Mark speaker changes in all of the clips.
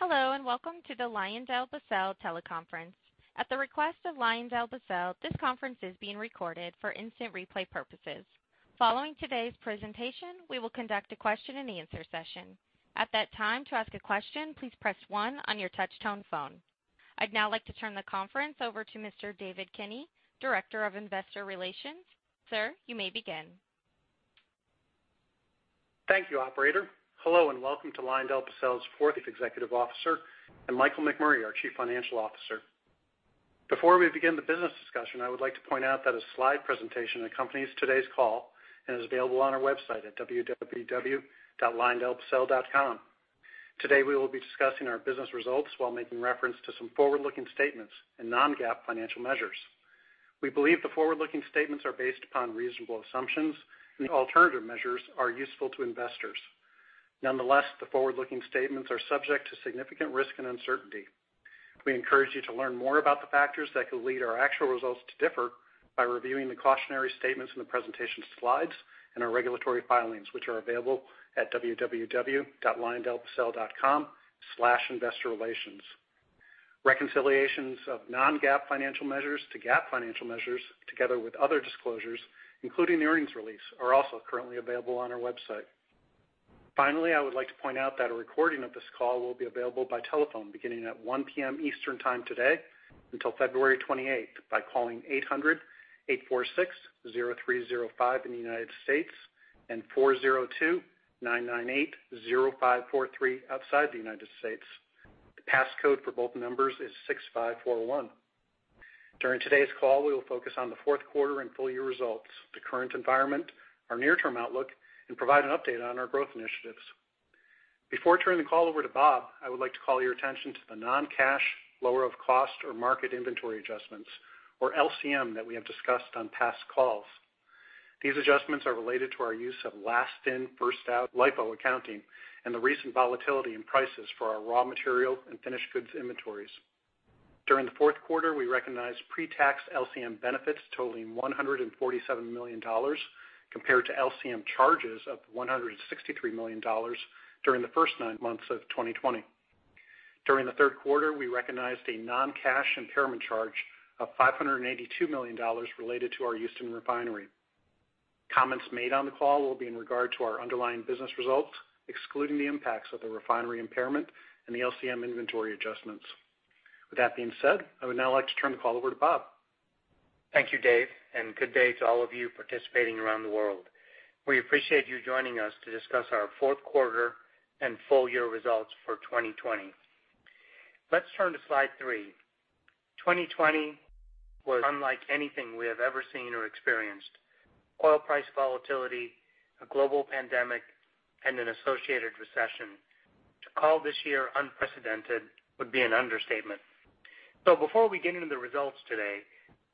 Speaker 1: Hello, and welcome to the LyondellBasell teleconference. I'd now like to turn the conference over to Mr. David Kinney, Director of Investor Relations. Sir, you may begin.
Speaker 2: Thank you, operator. Hello, welcome to LyondellBasell's fourth Executive Officer and Michael McMurray, our Chief Financial Officer. Before we begin the business discussion, I would like to point out that a slide presentation accompanies today's call and is available on our website at www.lyondellbasell.com. Today, we will be discussing our business results while making reference to some forward-looking statements and non-GAAP financial measures. We believe the forward-looking statements are based upon reasonable assumptions, and alternative measures are useful to investors. Nonetheless, the forward-looking statements are subject to significant risk and uncertainty. We encourage you to learn more about the factors that could lead our actual results to differ by reviewing the cautionary statements in the presentation slides and our regulatory filings, which are available at www.lyondellbasell.com/investorrelations. Reconciliations of non-GAAP financial measures to GAAP financial measures together with other disclosures, including the earnings release, are also currently available on our website. Finally, I would like to point out that a recording of this call will be available by telephone beginning at 1:00 P.M. Eastern Time today until February 28th by calling 800-846-0305 in the U.S. and 402-998-0543 outside the U.S. The pass code for both numbers is 6541. During today's call, we will focus on the fourth quarter and full-year results, the current environment, our near-term outlook, and provide an update on our growth initiatives. Before turning the call over to Bob, I would like to call your attention to the non-cash lower of cost or market inventory adjustments, or LCM, that we have discussed on past calls. These adjustments are related to our use of last in, first out LIFO accounting and the recent volatility in prices for our raw material and finished goods inventories. During the fourth quarter, we recognized pre-tax LCM benefits totaling $147 million compared to LCM charges of $163 million during the first nine months of 2020. During the third quarter, we recognized a non-cash impairment charge of $582 million related to our Houston refinery. Comments made on the call will be in regard to our underlying business results, excluding the impacts of the refinery impairment and the LCM inventory adjustments. With that being said, I would now like to turn the call over to Bob.
Speaker 3: Thank you, Dave. Good day to all of you participating around the world. We appreciate you joining us to discuss our fourth quarter and full year results for 2020. Let's turn to slide three. 2020 was unlike anything we have ever seen or experienced. Oil price volatility, a global pandemic, and an associated recession. To call this year unprecedented would be an understatement. Before we get into the results today,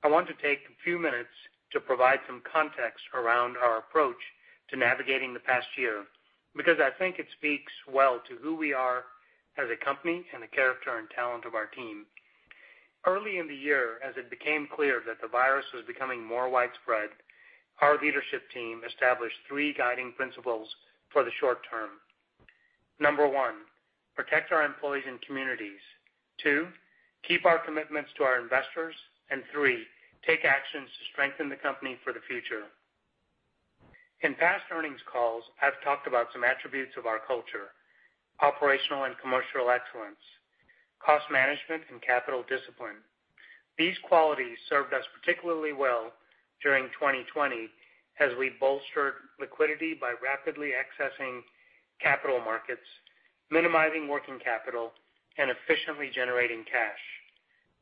Speaker 3: I want to take a few minutes to provide some context around our approach to navigating the past year because I think it speaks well to who we are as a company and the character and talent of our team. Early in the year, as it became clear that the virus was becoming more widespread, our leadership team established three guiding principles for the short term. Number one, protect our employees and communities. Two, keep our commitments to our investors, and three, take actions to strengthen the company for the future. In past earnings calls, I've talked about some attributes of our culture, operational and commercial excellence, cost management, and capital discipline. These qualities served us particularly well during 2020 as we bolstered liquidity by rapidly accessing capital markets, minimizing working capital, and efficiently generating cash.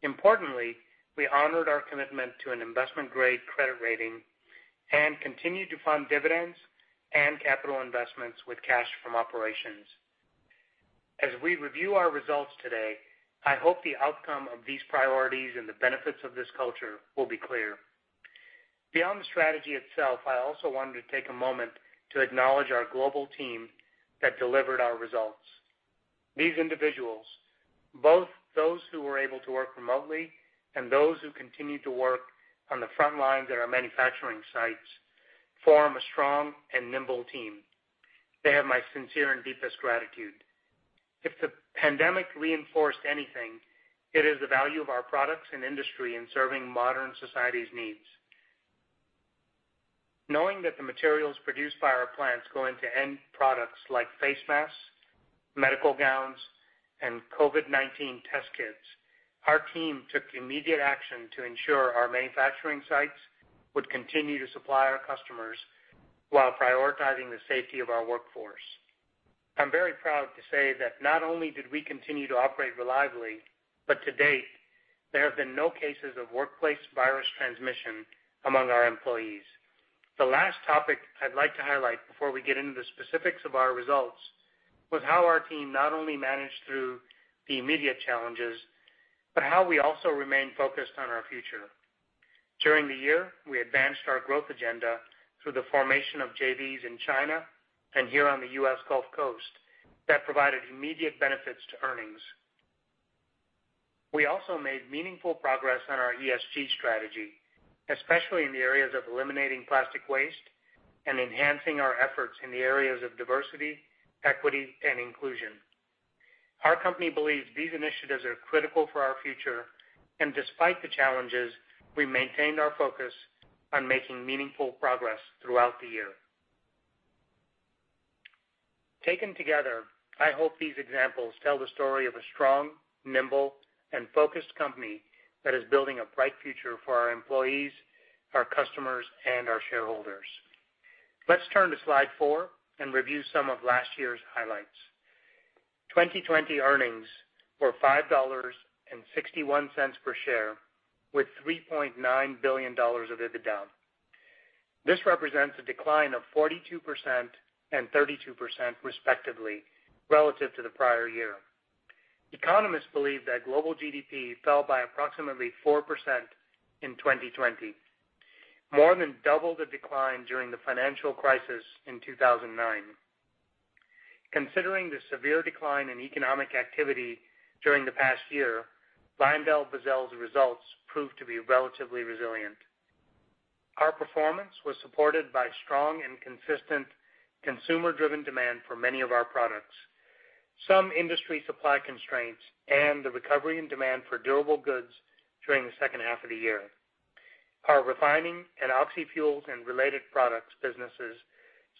Speaker 3: Importantly, we honored our commitment to an investment-grade credit rating and continued to fund dividends and capital investments with cash from operations. As we review our results today, I hope the outcome of these priorities and the benefits of this culture will be clear. Beyond the strategy itself, I also wanted to take a moment to acknowledge our global team that delivered our results. These individuals, both those who were able to work remotely and those who continued to work on the front lines at our manufacturing sites, form a strong and nimble team. They have my sincere and deepest gratitude. If the pandemic reinforced anything, it is the value of our products and industry in serving modern society's needs. Knowing that the materials produced by our plants go into end products like face masks, medical gowns, and COVID-19 test kits, our team took immediate action to ensure our manufacturing sites would continue to supply our customers while prioritizing the safety of our workforce. I'm very proud to say that not only did we continue to operate reliably, but to date, there have been no cases of workplace virus transmission among our employees. The last topic I'd like to highlight before we get into the specifics of our results was how our team not only managed through the immediate challenges, but how we also remained focused on our future. During the year, we advanced our growth agenda through the formation of JVs in China and here on the U.S. Gulf Coast that provided immediate benefits to earnings. We also made meaningful progress on our ESG strategy, especially in the areas of eliminating plastic waste and enhancing our efforts in the areas of diversity, equity, and inclusion. Our company believes these initiatives are critical for our future, and despite the challenges, we maintained our focus on making meaningful progress throughout the year. Taken together, I hope these examples tell the story of a strong, nimble, and focused company that is building a bright future for our employees, our customers, and our shareholders. Let's turn to slide four and review some of last year's highlights. 2020 earnings were $5.61 per share, with $3.9 billion of EBITDA. This represents a decline of 42% and 32% respectively relative to the prior year. Economists believe that global GDP fell by approximately 4% in 2020, more than double the decline during the financial crisis in 2009. Considering the severe decline in economic activity during the past year, LyondellBasell's results proved to be relatively resilient. Our performance was supported by strong and consistent consumer-driven demand for many of our products, some industry supply constraints, and the recovery in demand for durable goods during the second half of the year. Our refining and oxy-fuels and related products businesses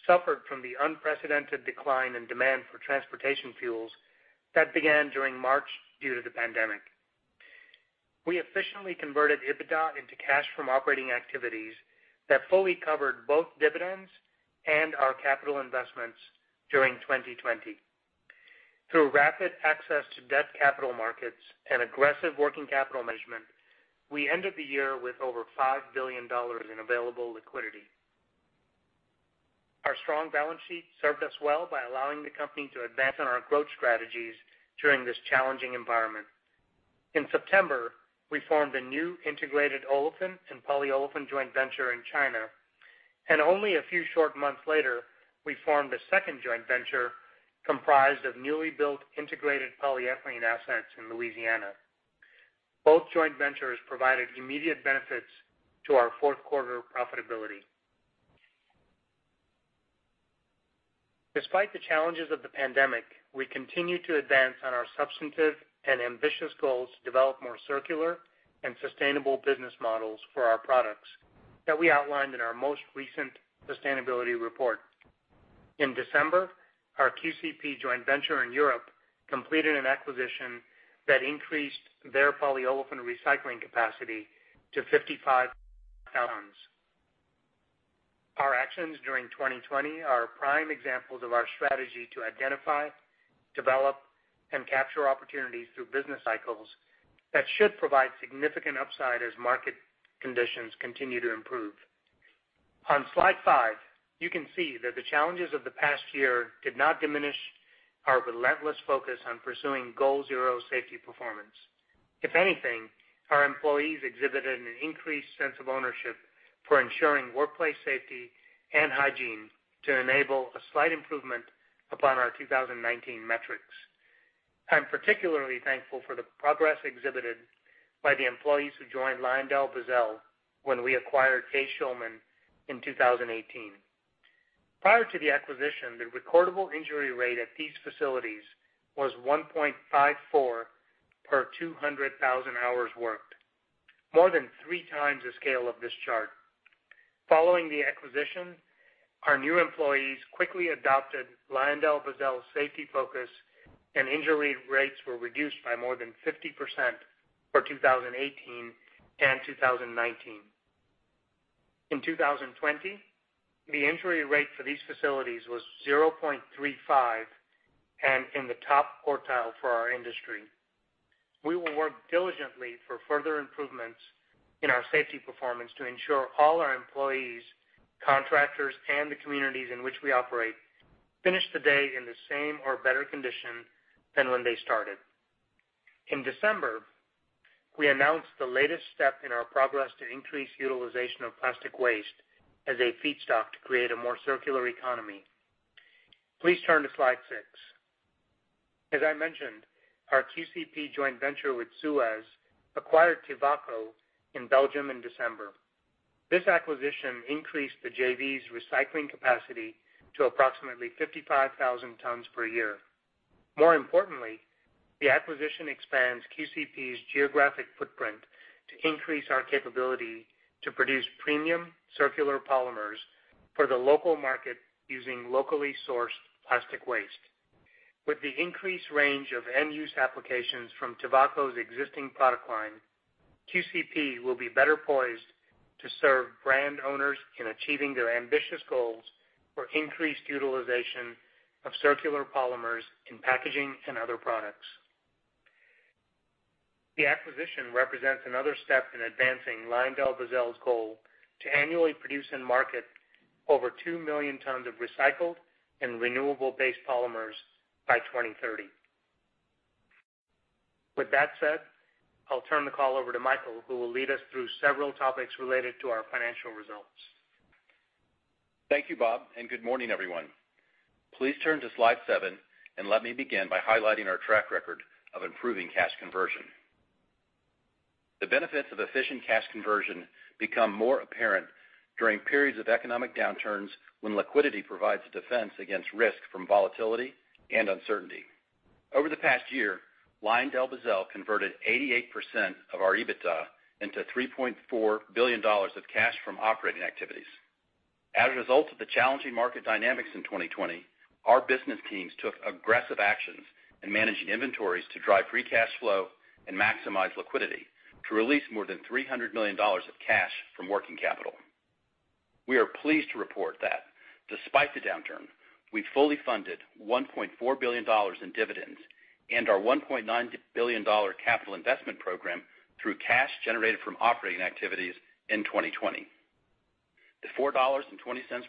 Speaker 3: suffered from the unprecedented decline in demand for transportation fuels that began during March due to the pandemic. We efficiently converted EBITDA into cash from operating activities that fully covered both dividends and our capital investments during 2020. Through rapid access to debt capital markets and aggressive working capital management, we ended the year with over $5 billion in available liquidity. Our strong balance sheet served us well by allowing the company to advance on our growth strategies during this challenging environment. In September, we formed a new integrated olefin and polyolefin joint venture in China, and only a few short months later, we formed a second joint venture comprised of newly built integrated polyethylene assets in Louisiana. Both joint ventures provided immediate benefits to our fourth quarter profitability. Despite the challenges of the pandemic, we continue to advance on our substantive and ambitious goals to develop more circular and sustainable business models for our products that we outlined in our most recent sustainability report. In December, our QCP joint venture in Europe completed an acquisition that increased their polyolefin recycling capacity to 55 tons. Our actions during 2020 are prime examples of our strategy to identify, develop, and capture opportunities through business cycles that should provide significant upside as market conditions continue to improve. On slide five, you can see that the challenges of the past year did not diminish our relentless focus on pursuing Goal Zero safety performance. If anything, our employees exhibited an increased sense of ownership for ensuring workplace safety and hygiene to enable a slight improvement upon our 2019 metrics. I'm particularly thankful for the progress exhibited by the employees who joined LyondellBasell when we acquired A. Schulman in 2018. Prior to the acquisition, the recordable injury rate at these facilities was 1.54 per 200,000 hours worked, more than three times the scale of this chart. Following the acquisition, our new employees quickly adopted LyondellBasell's safety focus and injury rates were reduced by more than 50% for 2018 and 2019. In 2020, the injury rate for these facilities was 0.35 and in the top quartile for our industry. We will work diligently for further improvements in our safety performance to ensure all our employees, contractors, and the communities in which we operate finish the day in the same or better condition than when they started. In December, we announced the latest step in our progress to increase utilization of plastic waste as a feedstock to create a more circular economy. Please turn to slide six. As I mentioned, our QCP joint venture with SUEZ acquired TIVACO in Belgium in December. This acquisition increased the JV's recycling capacity to approximately 55,000 tons per year. More importantly, the acquisition expands QCP's geographic footprint to increase our capability to produce premium circular polymers for the local market using locally sourced plastic waste. With the increased range of end-use applications from TIVACO's existing product line, QCP will be better poised to serve brand owners in achieving their ambitious goals for increased utilization of circular polymers in packaging and other products. The acquisition represents another step in advancing LyondellBasell's goal to annually produce and market over 2 million tons of recycled and renewable-based polymers by 2030. With that said, I'll turn the call over to Michael, who will lead us through several topics related to our financial results.
Speaker 4: Thank you, Bob, and good morning, everyone. Please turn to slide seven, and let me begin by highlighting our track record of improving cash conversion. The benefits of efficient cash conversion become more apparent during periods of economic downturns when liquidity provides a defense against risk from volatility and uncertainty. Over the past year, LyondellBasell converted 88% of our EBITDA into $3.4 billion of cash from operating activities. As a result of the challenging market dynamics in 2020, our business teams took aggressive actions in managing inventories to drive free cash flow and maximize liquidity to release more than $300 million of cash from working capital. We are pleased to report that despite the downturn, we fully funded $1.4 billion in dividends and our $1.9 billion capital investment program through cash generated from operating activities in 2020. The $4.20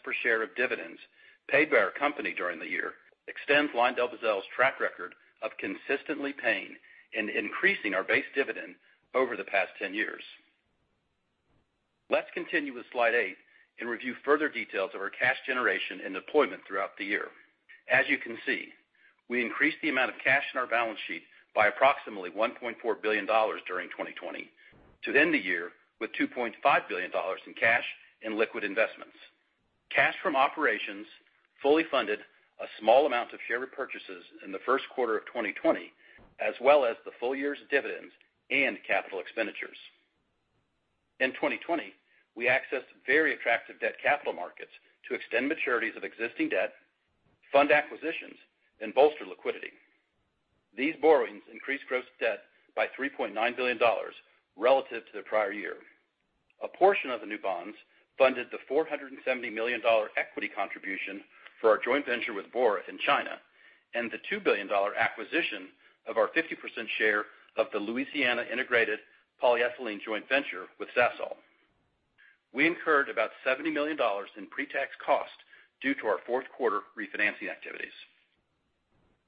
Speaker 4: per share of dividends paid by our company during the year extends LyondellBasell's track record of consistently paying and increasing our base dividend over the past 10 years. Let's continue with slide eight and review further details of our cash generation and deployment throughout the year. As you can see, we increased the amount of cash in our balance sheet by approximately $1.4 billion during 2020 to end the year with $2.5 billion in cash and liquid investments. Cash from operations fully funded a small amount of share repurchases in the first quarter of 2020, as well as the full year's dividends and capital expenditures. In 2020, we accessed very attractive debt capital markets to extend maturities of existing debt, fund acquisitions, and bolster liquidity. These borrowings increased gross debt by $3.9 billion relative to the prior year. A portion of the new bonds funded the $470 million equity contribution for our joint venture with Bora in China and the $2 billion acquisition of our 50% share of the Louisiana integrated polyethylene joint venture with Sasol. We incurred about $70 million in pre-tax cost due to our fourth quarter refinancing activities.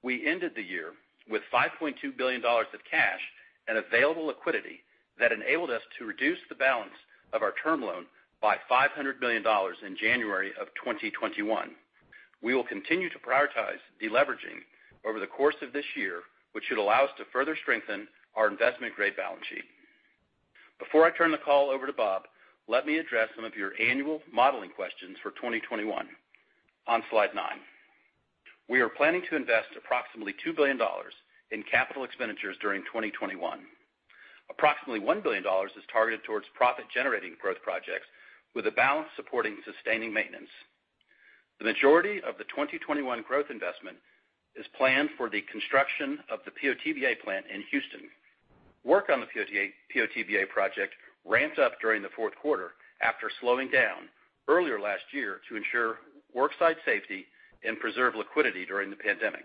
Speaker 4: We ended the year with $5.2 billion of cash and available liquidity that enabled us to reduce the balance of our term loan by $500 million in January of 2021. We will continue to prioritize deleveraging over the course of this year, which should allow us to further strengthen our investment-grade balance sheet. Before I turn the call over to Bob, let me address some of your annual modeling questions for 2021 on slide nine. We are planning to invest approximately $2 billion in capital expenditures during 2021. Approximately $1 billion is targeted towards profit-generating growth projects with a balance supporting sustaining maintenance. The majority of the 2021 growth investment is planned for the construction of the PO/TBA plant in Houston. Work on the PO/TBA project ramped up during the fourth quarter after slowing down earlier last year to ensure worksite safety and preserve liquidity during the pandemic.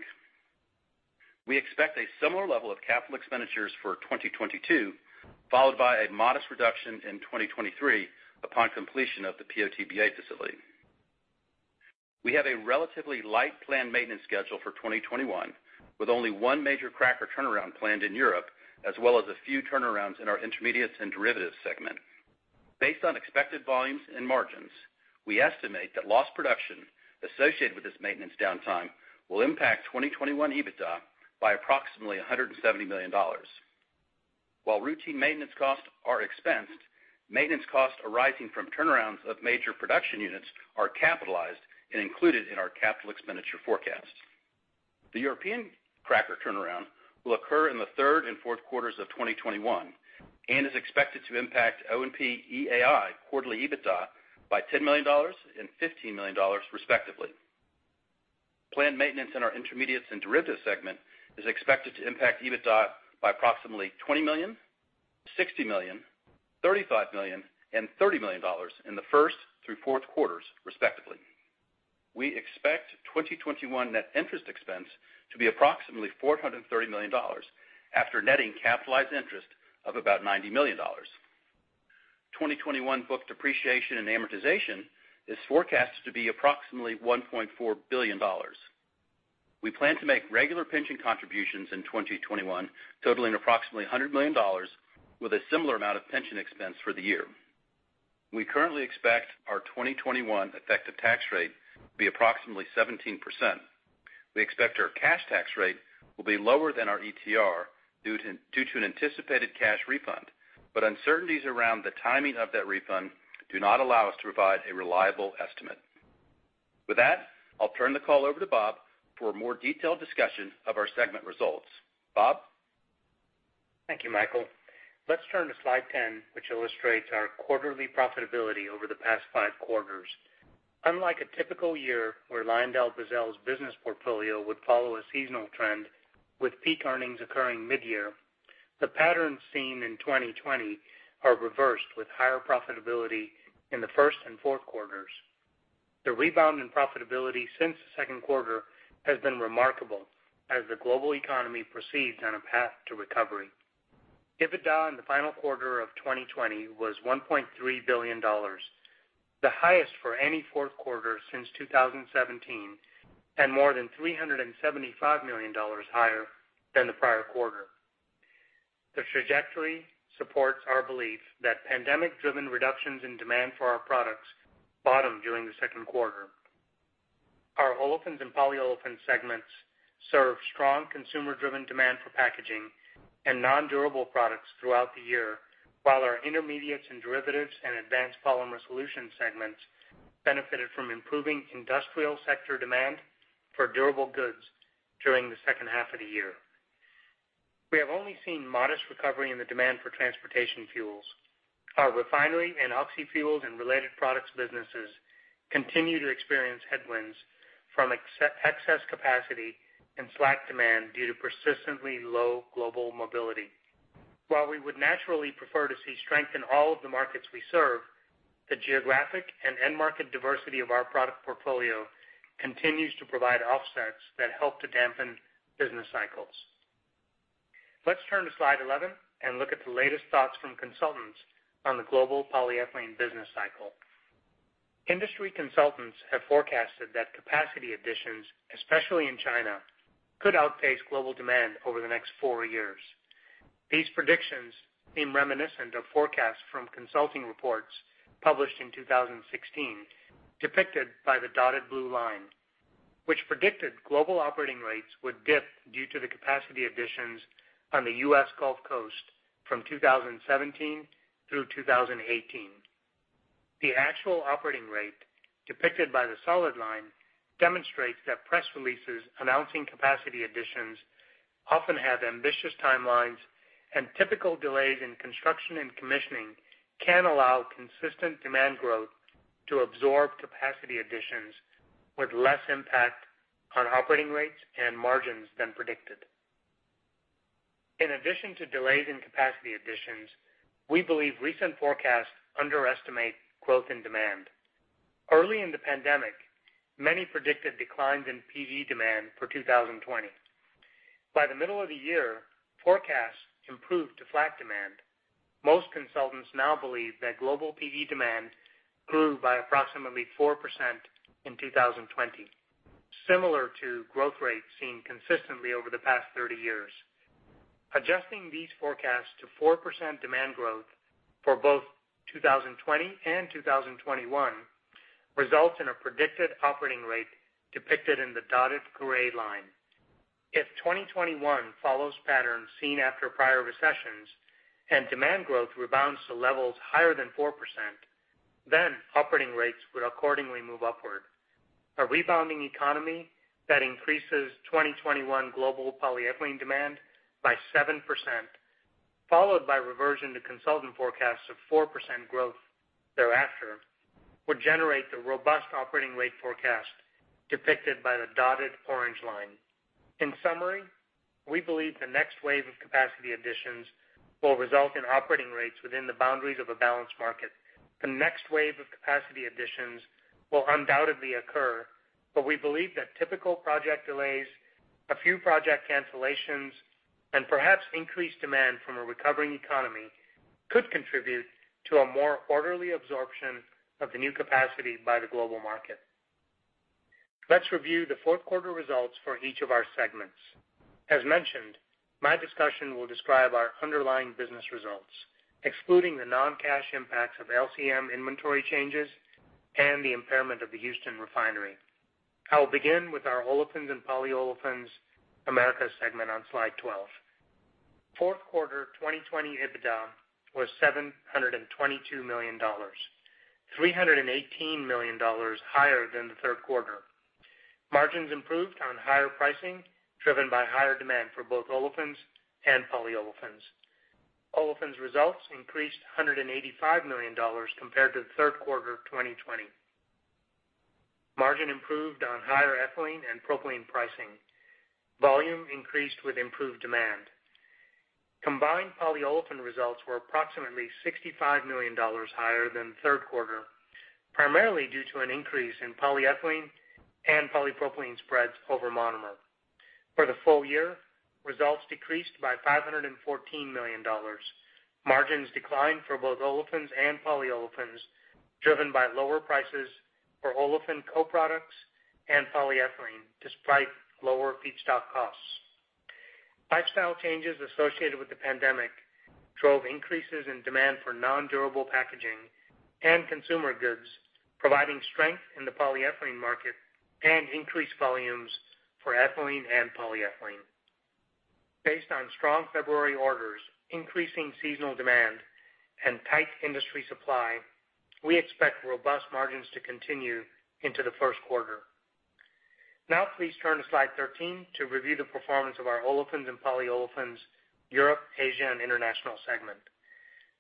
Speaker 4: We expect a similar level of capital expenditures for 2022, followed by a modest reduction in 2023 upon completion of the PO/TBA facility. We have a relatively light planned maintenance schedule for 2021 with only one major cracker turnaround planned in Europe, as well as a few turnarounds in our Intermediates and Derivatives segment. Based on expected volumes and margins, we estimate that lost production associated with this maintenance downtime will impact 2021 EBITDA by approximately $170 million. While routine maintenance costs are expensed, maintenance costs arising from turnarounds of major production units are capitalized and included in our capital expenditure forecast. The European cracker turnaround will occur in the third and fourth quarters of 2021 and is expected to impact O&P-EAI quarterly EBITDA by $10 million and $15 million, respectively. Planned maintenance in our Intermediates and Derivatives segment is expected to impact EBITDA by approximately $20 million, $60 million, $35 million and $30 million in the first through fourth quarters, respectively. We expect 2021 net interest expense to be approximately $430 million after netting capitalized interest of about $90 million. 2021 book depreciation and amortization is forecast to be approximately $1.4 billion. We plan to make regular pension contributions in 2021 totaling approximately $100 million with a similar amount of pension expense for the year. We currently expect our 2021 effective tax rate to be approximately 17%. We expect our cash tax rate will be lower than our ETR due to an anticipated cash refund, but uncertainties around the timing of that refund do not allow us to provide a reliable estimate. With that, I'll turn the call over to Bob for a more detailed discussion of our segment results. Bob?
Speaker 3: Thank you, Michael. Let's turn to slide 10, which illustrates our quarterly profitability over the past five quarters. Unlike a typical year where LyondellBasell's business portfolio would follow a seasonal trend with peak earnings occurring mid-year, the patterns seen in 2020 are reversed with higher profitability in the first and fourth quarters. The rebound in profitability since the second quarter has been remarkable as the global economy proceeds on a path to recovery. EBITDA in the final quarter of 2020 was $1.3 billion, the highest for any fourth quarter since 2017, and more than $375 million higher than the prior quarter. The trajectory supports our belief that pandemic-driven reductions in demand for our products bottomed during the second quarter. Our Olefins and Polyolefins segments served strong consumer-driven demand for packaging and nondurable products throughout the year, while our Intermediates and Derivatives and Advanced Polymer Solutions segments benefited from improving industrial sector demand for durable goods during the second half of the year. We have only seen modest recovery in the demand for transportation fuels. Our refinery and oxy fuels and related products businesses continue to experience headwinds from excess capacity and slack demand due to persistently low global mobility. While we would naturally prefer to see strength in all of the markets we serve, the geographic and end market diversity of our product portfolio continues to provide offsets that help to dampen business cycles. Let's turn to slide 11 and look at the latest thoughts from consultants on the global polyethylene business cycle. Industry consultants have forecasted that capacity additions, especially in China, could outpace global demand over the next four years. These predictions seem reminiscent of forecasts from consulting reports published in 2016, depicted by the dotted blue line, which predicted global operating rates would dip due to the capacity additions on the U.S. Gulf Coast from 2017 through 2018. The actual operating rate depicted by the solid line demonstrates that press releases announcing capacity additions often have ambitious timelines, and typical delays in construction and commissioning can allow consistent demand growth to absorb capacity additions with less impact on operating rates and margins than predicted. In addition to delays in capacity additions, we believe recent forecasts underestimate growth in demand. Early in the pandemic, many predicted declines in PE demand for 2020. By the middle of the year, forecasts improved to flat demand. Most consultants now believe that global PE demand grew by approximately 4% in 2020, similar to growth rates seen consistently over the past 30 years. Adjusting these forecasts to 4% demand growth for both 2020 and 2021 results in a predicted operating rate depicted in the dotted gray line. If 2021 follows patterns seen after prior recessions and demand growth rebounds to levels higher than 4%, then operating rates would accordingly move upward. A rebounding economy that increases 2021 global polyethylene demand by 7%, followed by reversion to consultant forecasts of 4% growth thereafter, would generate the robust operating rate forecast depicted by the dotted orange line. In summary, we believe the next wave of capacity additions will result in operating rates within the boundaries of a balanced market. The next wave of capacity additions will undoubtedly occur, but we believe that typical project delays, a few project cancellations, and perhaps increased demand from a recovering economy could contribute to a more orderly absorption of the new capacity by the global market. Let's review the fourth quarter results for each of our segments. As mentioned, my discussion will describe our underlying business results, excluding the non-cash impacts of LCM inventory changes and the impairment of the Houston refinery. I will begin with our Olefins and Polyolefins-Americas segment on slide 12. Fourth quarter 2020 EBITDA was $722 million, $318 million higher than the third quarter. Margins improved on higher pricing driven by higher demand for both olefins and polyolefins. Olefins results increased $185 million compared to the third quarter of 2020. Margin improved on higher ethylene and propylene pricing. Volume increased with improved demand. Combined polyolefin results were approximately $65 million higher than the third quarter, primarily due to an increase in polyethylene and polypropylene spreads over monomer. For the full year, results decreased by $514 million. Margins declined for both olefins and polyolefins, driven by lower prices for olefin co-products and polyethylene despite lower feedstock costs. Lifestyle changes associated with the pandemic drove increases in demand for nondurable packaging and consumer goods, providing strength in the polyethylene market and increased volumes for ethylene and polyethylene. Based on strong February orders, increasing seasonal demand, and tight industry supply, we expect robust margins to continue into the first quarter. Now please turn to slide 13 to review the performance of our Olefins and Polyolefins-Europe, Asia, International segment.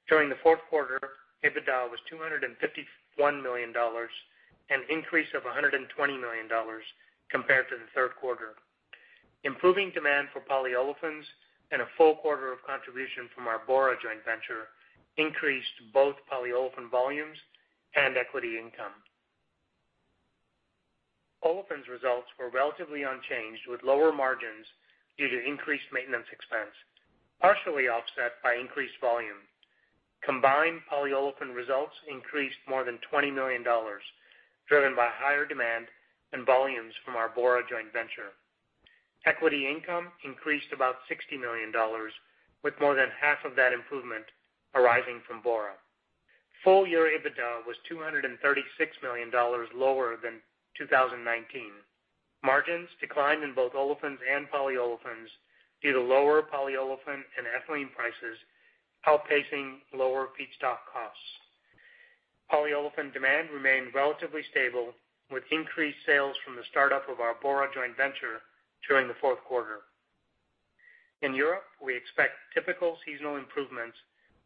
Speaker 3: During the fourth quarter, EBITDA was $251 million, an increase of $120 million compared to the third quarter. Improving demand for polyolefins and a full quarter of contribution from our Bora joint venture increased both polyolefin volumes and equity income. Olefins results were relatively unchanged, with lower margins due to increased maintenance expense, partially offset by increased volume. Combined polyolefin results increased more than $20 million, driven by higher demand and volumes from our Bora joint venture. Equity income increased about $60 million, with more than half of that improvement arising from Bora. Full year EBITDA was $236 million lower than 2019. Margins declined in both olefins and polyolefins due to lower polyolefin and ethylene prices outpacing lower feedstock costs. Polyolefin demand remained relatively stable with increased sales from the startup of our Bora joint venture during the fourth quarter. In Europe, we expect typical seasonal improvements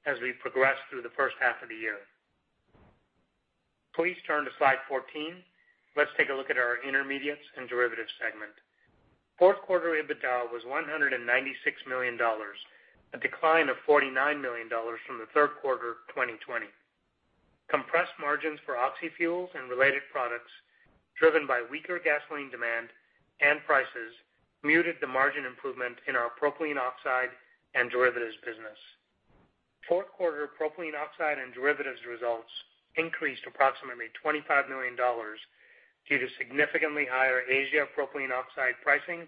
Speaker 3: as we progress through the first half of the year. Please turn to slide 14. Let's take a look at our Intermediates and Derivatives segment. Fourth quarter EBITDA was $196 million, a decline of $49 million from the third quarter 2020. Compressed margins for oxy fuels and related products, driven by weaker gasoline demand and prices, muted the margin improvement in our propylene oxide and derivatives business. Fourth quarter propylene oxide and derivatives results increased approximately $25 million due to significantly higher Asia propylene oxide pricing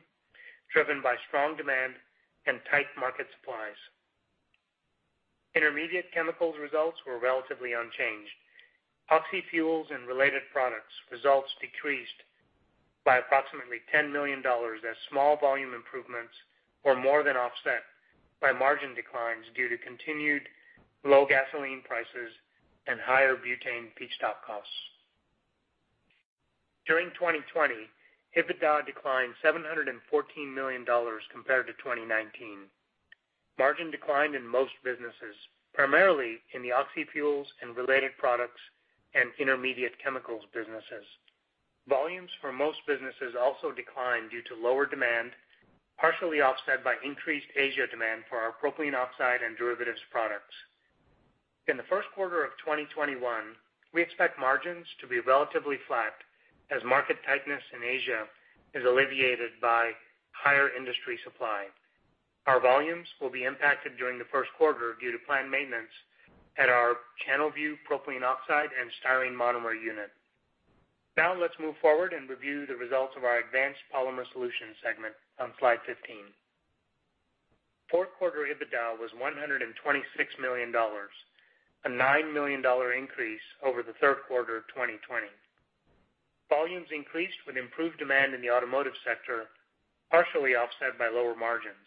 Speaker 3: driven by strong demand and tight market supplies. Intermediate chemicals results were relatively unchanged. oxy fuels and related products results decreased by approximately $10 million as small volume improvements were more than offset by margin declines due to continued low gasoline prices and higher butane feedstock costs. During 2020, EBITDA declined $714 million compared to 2019. Margin declined in most businesses, primarily in the oxy fuels and related products and intermediate chemicals businesses. Volumes for most businesses also declined due to lower demand, partially offset by increased Asia demand for our propylene oxide and derivatives products. In the first quarter of 2021, we expect margins to be relatively flat as market tightness in Asia is alleviated by higher industry supply. Our volumes will be impacted during the first quarter due to planned maintenance at our Channelview propylene oxide and styrene monomer unit. Now let's move forward and review the results of our Advanced Polymer Solutions segment on slide 15. Fourth quarter EBITDA was $126 million, a $9 million increase over the third quarter 2020. Volumes increased with improved demand in the automotive sector, partially offset by lower margins.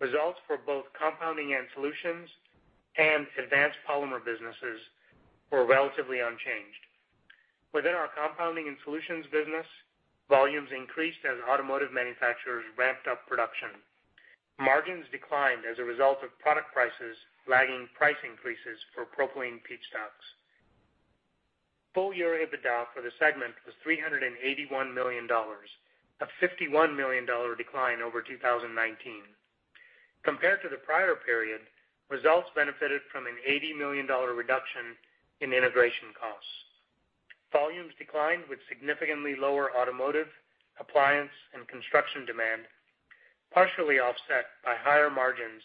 Speaker 3: Results for both compounding and solutions and advanced polymer businesses were relatively unchanged. Within our compounding and solutions business, volumes increased as automotive manufacturers ramped up production. Margins declined as a result of product prices lagging price increases for propylene feedstocks. Full year EBITDA for the segment was $381 million, a $51 million decline over 2019. Compared to the prior period, results benefited from an $80 million reduction in integration costs. Volumes declined with significantly lower automotive, appliance, and construction demand, partially offset by higher margins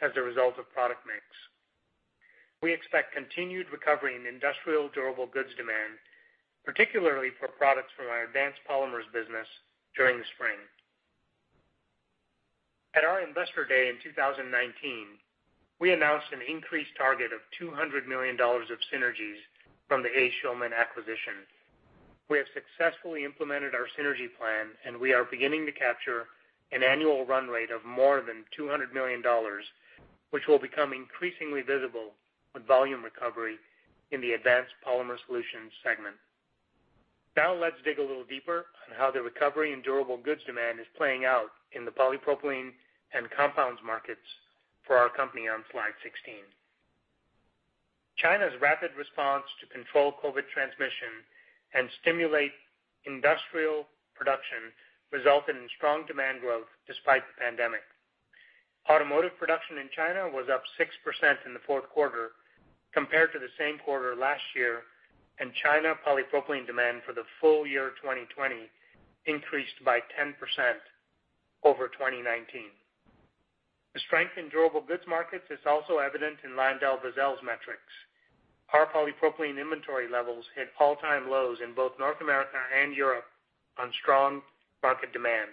Speaker 3: as a result of product mix. We expect continued recovery in industrial durable goods demand, particularly for products from our Advanced Polymer Solutions business during the spring. At our Investor Day in 2019, we announced an increased target of $200 million of synergies from the A. Schulman acquisition.. We have successfully implemented our synergy plan, and we are beginning to capture an annual run rate of more than $200 million, which will become increasingly visible with volume recovery in the Advanced Polymer Solutions segment. Now let's dig a little deeper on how the recovery in durable goods demand is playing out in the polypropylene and compounds markets for our company on slide 16. China's rapid response to control COVID transmission and stimulate industrial production resulted in strong demand growth despite the pandemic. Automotive production in China was up 6% in the fourth quarter compared to the same quarter last year, China polypropylene demand for the full year 2020 increased by 10% over 2019. The strength in durable goods markets is also evident in LyondellBasell's metrics. Our polypropylene inventory levels hit all-time lows in both North America and Europe on strong market demand.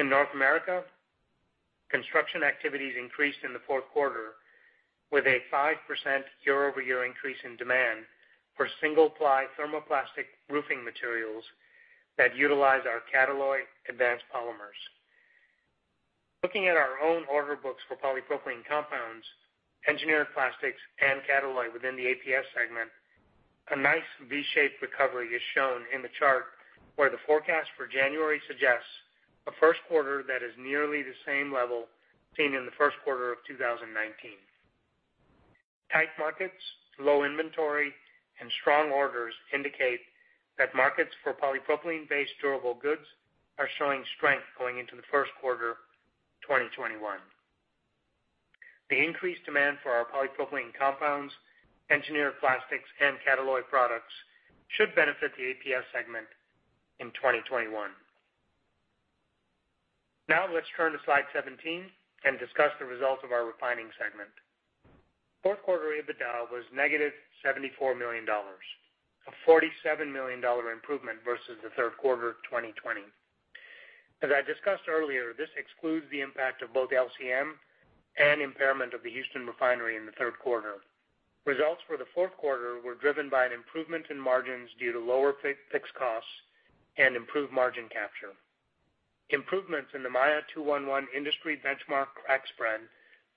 Speaker 3: In North America, construction activities increased in the fourth quarter with a 5% year-over-year increase in demand for single-ply thermoplastic roofing materials that utilize our Catalloy advanced polymers. Looking at our own order books for polypropylene compounds, engineered plastics, and Catalloy within the APS segment, a nice V-shaped recovery is shown in the chart where the forecast for January suggests a first quarter that is nearly the same level seen in the first quarter of 2019. Tight markets, low inventory, and strong orders indicate that markets for polypropylene-based durable goods are showing strength going into the first quarter 2021. The increased demand for our polypropylene compounds, engineered plastics, and Catalloy products should benefit the APS segment in 2021. Now let's turn to slide 17 and discuss the results of our refining segment. Fourth quarter EBITDA was negative $74 million, a $47 million improvement versus the third quarter 2020. As I discussed earlier, this excludes the impact of both LCM and impairment of the Houston refinery in the third quarter. Results for the fourth quarter were driven by an improvement in margins due to lower fixed costs and improved margin capture. Improvements in the Maya 2-1-1 industry benchmark crack spread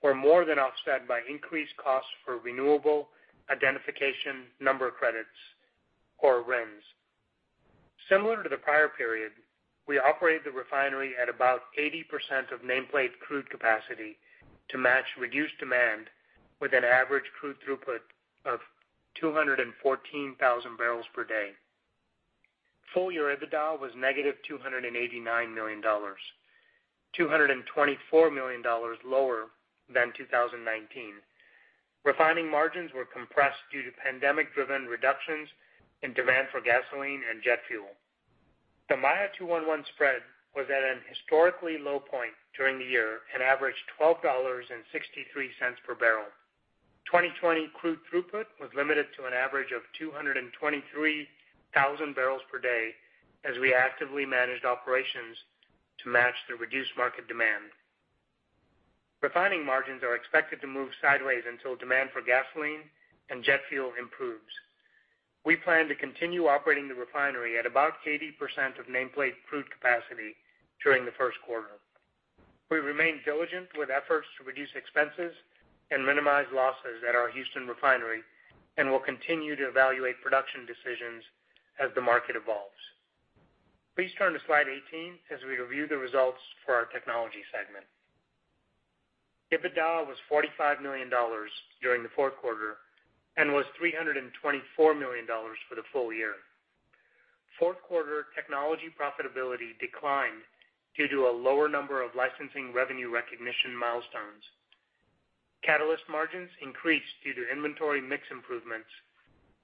Speaker 3: were more than offset by increased costs for renewable identification number credits, or RINs. Similar to the prior period, we operated the refinery at about 80% of nameplate crude capacity to match reduced demand with an average crude throughput of 214,000 bbls per day. Full year EBITDA was -$289 million, $224 million lower than 2019. Refining margins were compressed due to pandemic-driven reductions in demand for gasoline and jet fuel. The Maya 2-1-1 spread was at an historically low point during the year and averaged $12.63 per bbl. 2020 crude throughput was limited to an average of 223,000 bbls per day as we actively managed operations to match the reduced market demand. Refining margins are expected to move sideways until demand for gasoline and jet fuel improves. We plan to continue operating the refinery at about 80% of nameplate crude capacity during the first quarter. We remain diligent with efforts to reduce expenses and minimize losses at our Houston refinery and will continue to evaluate production decisions as the market evolves. Please turn to slide 18 as we review the results for our technology segment. EBITDA was $45 million during the fourth quarter and was $324 million for the full year. Fourth quarter technology profitability declined due to a lower number of licensing revenue recognition milestones. Catalyst margins increased due to inventory mix improvements,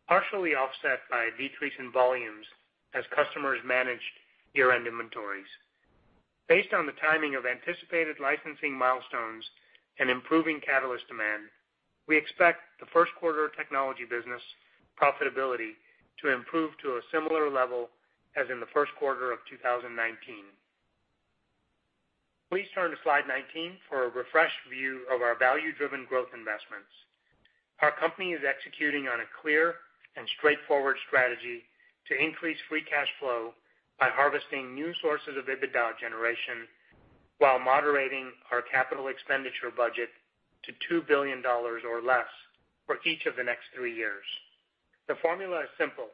Speaker 3: partially offset by a decrease in volumes as customers managed year-end inventories. Based on the timing of anticipated licensing milestones and improving catalyst demand, we expect the first quarter technology business profitability to improve to a similar level as in the first quarter of 2019. Please turn to slide 19 for a refreshed view of our value-driven growth investments. Our company is executing on a clear and straightforward strategy to increase free cash flow by harvesting new sources of EBITDA generation while moderating our capital expenditure budget to $2 billion or less for each of the next three years. The formula is simple.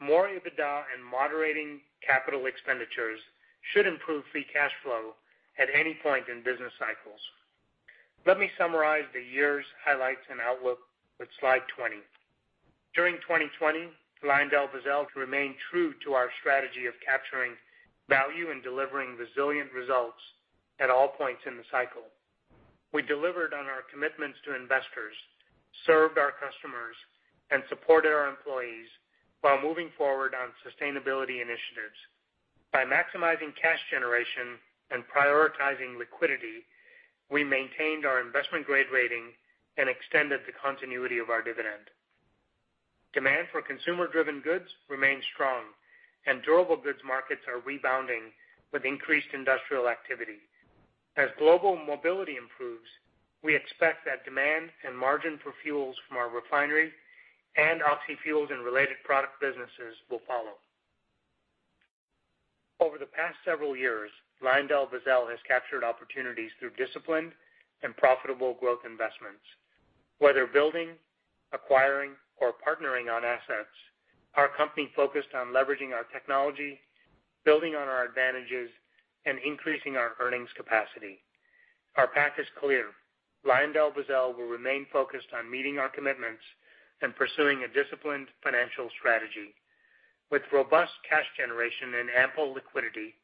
Speaker 3: More EBITDA and moderating capital expenditures should improve free cash flow at any point in business cycles. Let me summarize the year's highlights and outlook with slide 20. During 2020, LyondellBasell remained true to our strategy of capturing value and delivering resilient results at all points in the cycle. We delivered on our commitments to investors, served our customers, and supported our employees while moving forward on sustainability initiatives. By maximizing cash generation and prioritizing liquidity, we maintained our investment-grade rating and extended the continuity of our dividend. Demand for consumer-driven goods remains strong, and durable goods markets are rebounding with increased industrial activity. As global mobility improves, we expect that demand and margin for fuels from our refinery and oxyfuels and related product businesses will follow. Over the past several years, LyondellBasell has captured opportunities through disciplined and profitable growth investments. Whether building, acquiring, or partnering on assets, our company focused on leveraging our technology, building on our advantages, and increasing our earnings capacity. Our path is clear. LyondellBasell will remain focused on meeting our commitments and pursuing a disciplined financial strategy. With robust cash generation and ample liquidity,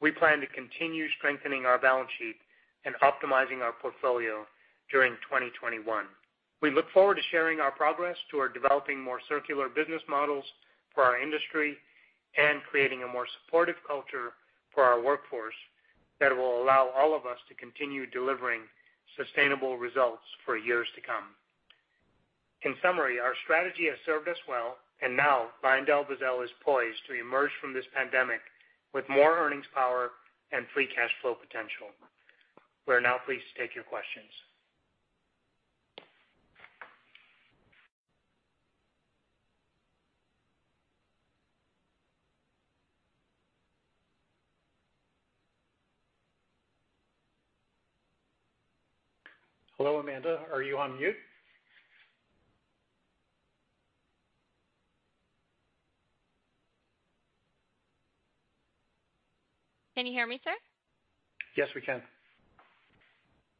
Speaker 3: we plan to continue strengthening our balance sheet and optimizing our portfolio during 2021. We look forward to sharing our progress toward developing more circular business models for our industry and creating a more supportive culture for our workforce that will allow all of us to continue delivering sustainable results for years to come. In summary, our strategy has served us well, and now LyondellBasell is poised to emerge from this pandemic with more earnings power and free cash flow potential. We are now pleased to take your questions. Hello, Amanda. Are you on mute?
Speaker 1: Can you hear me, sir?
Speaker 3: Yes, we can.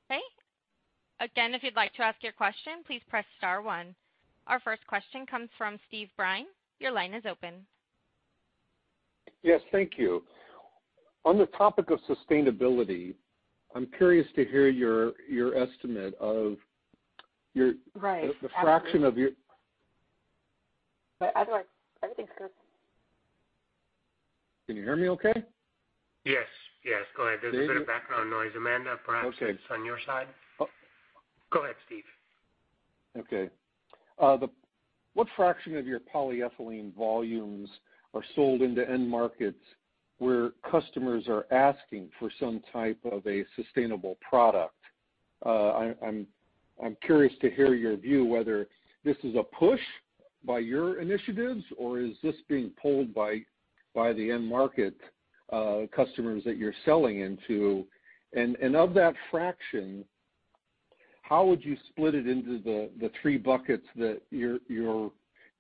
Speaker 1: Okay. Again, if you'd like to ask your question, please press star one. Our first question comes from Steve Byrne. Your line is open.
Speaker 5: Yes. Thank you. On the topic of sustainability, I'm curious to hear your estimate of the fraction of your.
Speaker 1: Otherwise, everything's good.
Speaker 5: Can you hear me okay?
Speaker 3: Yes. Go ahead. There's a bit of background noise. Amanda, perhaps it's on your side. Go ahead, Steve.
Speaker 5: Okay. What fraction of your polyethylene volumes are sold into end markets where customers are asking for some type of a sustainable product? I'm curious to hear your view whether this is a push by your initiatives or is this being pulled by the end market customers that you're selling into. Of that fraction, how would you split it into the three buckets that you're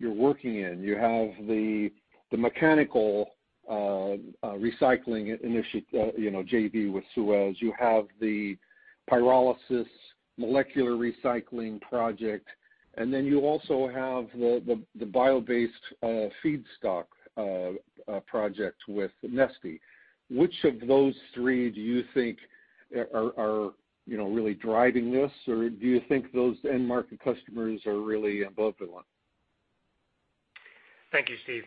Speaker 5: working in? You have the mechanical recycling JV with SUEZ, you have the pyrolysis molecular recycling project, and then you also have the bio-based feedstock project with Neste. Which of those three do you think are really driving this? Do you think those end market customers are really above the line?
Speaker 3: Thank you, Steve.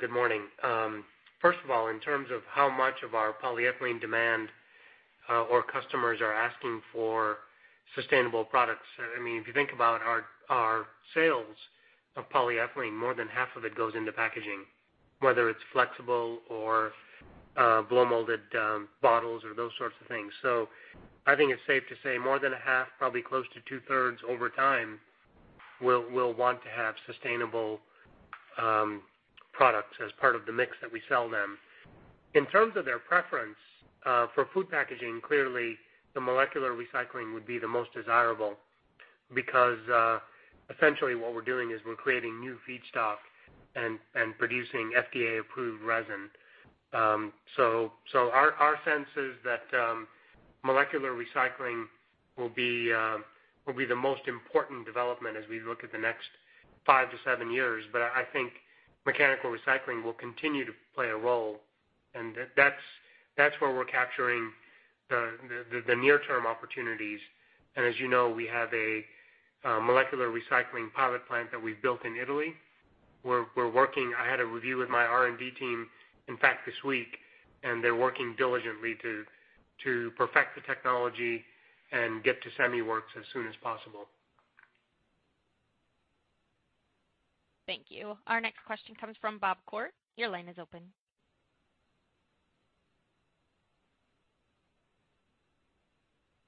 Speaker 3: Good morning. First of all, in terms of how much of our polyethylene demand our customers are asking for sustainable products, if you think about our sales of polyethylene, more than half of it goes into packaging, whether it's flexible or blow-molded bottles or those sorts of things. I think it's safe to say more than a half, probably close to two-thirds over time will want to have sustainable products as part of the mix that we sell them. In terms of their preference for food packaging, clearly the molecular recycling would be the most desirable because essentially what we're doing is we're creating new feedstock and producing FDA-approved resin. Our sense is that molecular recycling will be the most important development as we look at the next five to seven years. I think mechanical recycling will continue to play a role, and that's where we're capturing the near-term opportunities. As you know, we have a molecular recycling pilot plant that we've built in Italy. I had a review with my R&D team, in fact, this week, and they're working diligently to perfect the technology and get to semi-works as soon as possible.
Speaker 1: Thank you. Our next question comes from Bob Koort. Your line is open.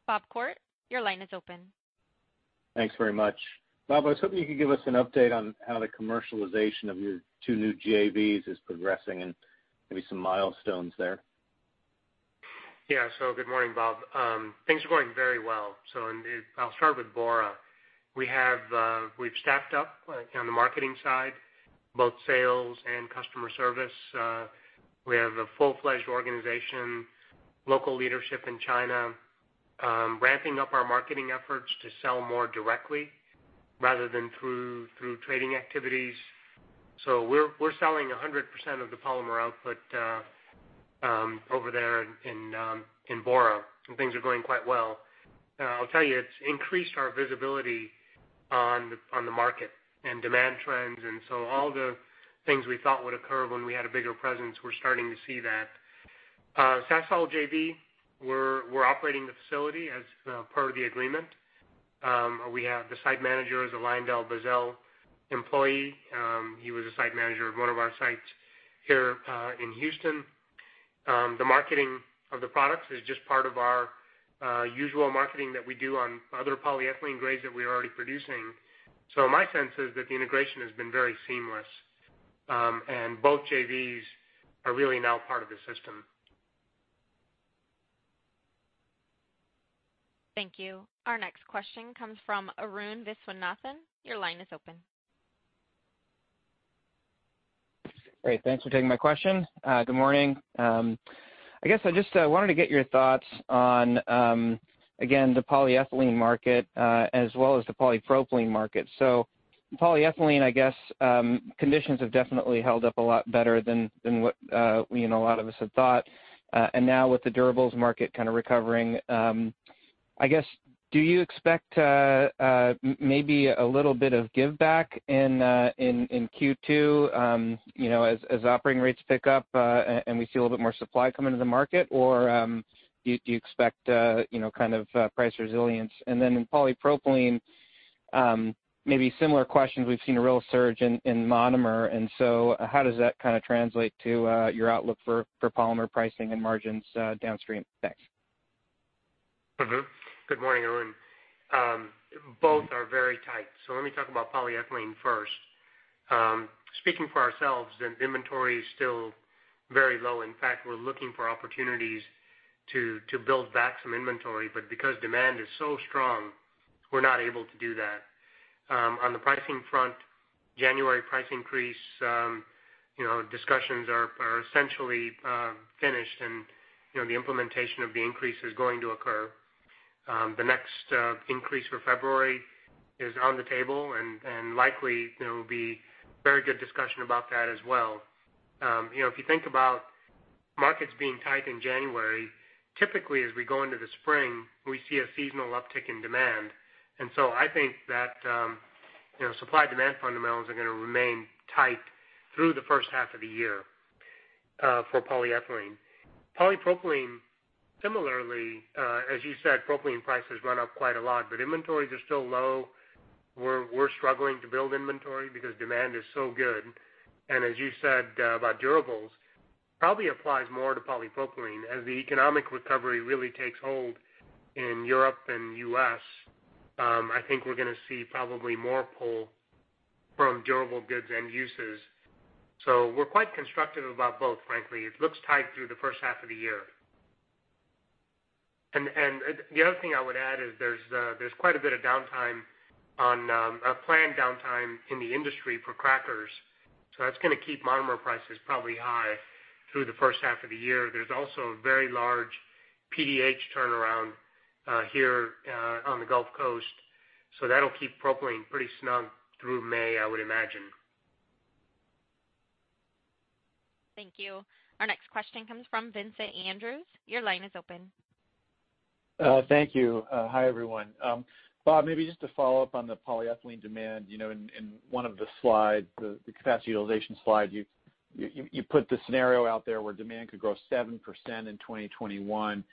Speaker 1: Bob Koort, your line is open.
Speaker 6: Thanks very much. Bob, I was hoping you could give us an update on how the commercialization of your two new JVs is progressing and maybe some milestones there.
Speaker 3: Yeah. Good morning, Bob. Things are going very well. I'll start with Bora. We've staffed up on the marketing side, both sales and customer service. We have a full-fledged organization, local leadership in China, ramping up our marketing efforts to sell more directly rather than through trading activities. We're selling 100% of the polymer output over there in Bora, and things are going quite well. I'll tell you, it's increased our visibility on the market and demand trends, all the things we thought would occur when we had a bigger presence, we're starting to see that. Sasol JV, we're operating the facility as part of the agreement. The site manager is a LyondellBasell employee. He was a site manager at one of our sites here in Houston. The marketing of the products is just part of our usual marketing that we do on other polyethylene grades that we are already producing. My sense is that the integration has been very seamless, and both JVs are really now part of the system.
Speaker 1: Thank you. Our next question comes from Arun Viswanathan. Your line is open.
Speaker 7: Great. Thanks for taking my question. Good morning. I guess I just wanted to get your thoughts on, again, the polyethylene market as well as the polypropylene market. Polyethylene, I guess conditions have definitely held up a lot better than what a lot of us have thought. Now with the durables market kind of recovering, I guess, do you expect maybe a little bit of give back in Q2 as operating rates pick up and we see a little bit more supply come into the market, or do you expect price resilience? Then in polypropylene, maybe similar questions. We've seen a real surge in monomer, and so how does that translate to your outlook for polymer pricing and margins downstream? Thanks.
Speaker 3: Good morning, Arun. Both are very tight. Let me talk about polyethylene first. Speaking for ourselves, the inventory is still very low. In fact, we're looking for opportunities to build back some inventory, but because demand is so strong, we're not able to do that. On the pricing front, January price increase discussions are essentially finished, and the implementation of the increase is going to occur. The next increase for February is on the table and likely there will be very good discussion about that as well. If you think about markets being tight in January, typically, as we go into the spring, we see a seasonal uptick in demand. I think that supply-demand fundamentals are going to remain tight through the first half of the year for polyethylene. Polypropylene, similarly, as you said, propylene prices run up quite a lot, but inventories are still low. We're struggling to build inventory because demand is so good. As you said about durables, probably applies more to polypropylene. As the economic recovery really takes hold in Europe and U.S., I think we're going to see probably more pull from durable goods end uses. We're quite constructive about both, frankly. It looks tight through the first half of the year. The other thing I would add is there's quite a bit of planned downtime in the industry for crackers. That's going to keep monomer prices probably high through the first half of the year. There's also a very large PDH turnaround here on the Gulf Coast. That'll keep propylene pretty snug through May, I would imagine.
Speaker 1: Thank you. Our next question comes from Vincent Andrews.
Speaker 8: Thank you. Hi, everyone. Bob, maybe just to follow up on the polyethylene demand. In one of the slides, the capacity utilization slide, you put the scenario out there where demand could grow 7% in 2021.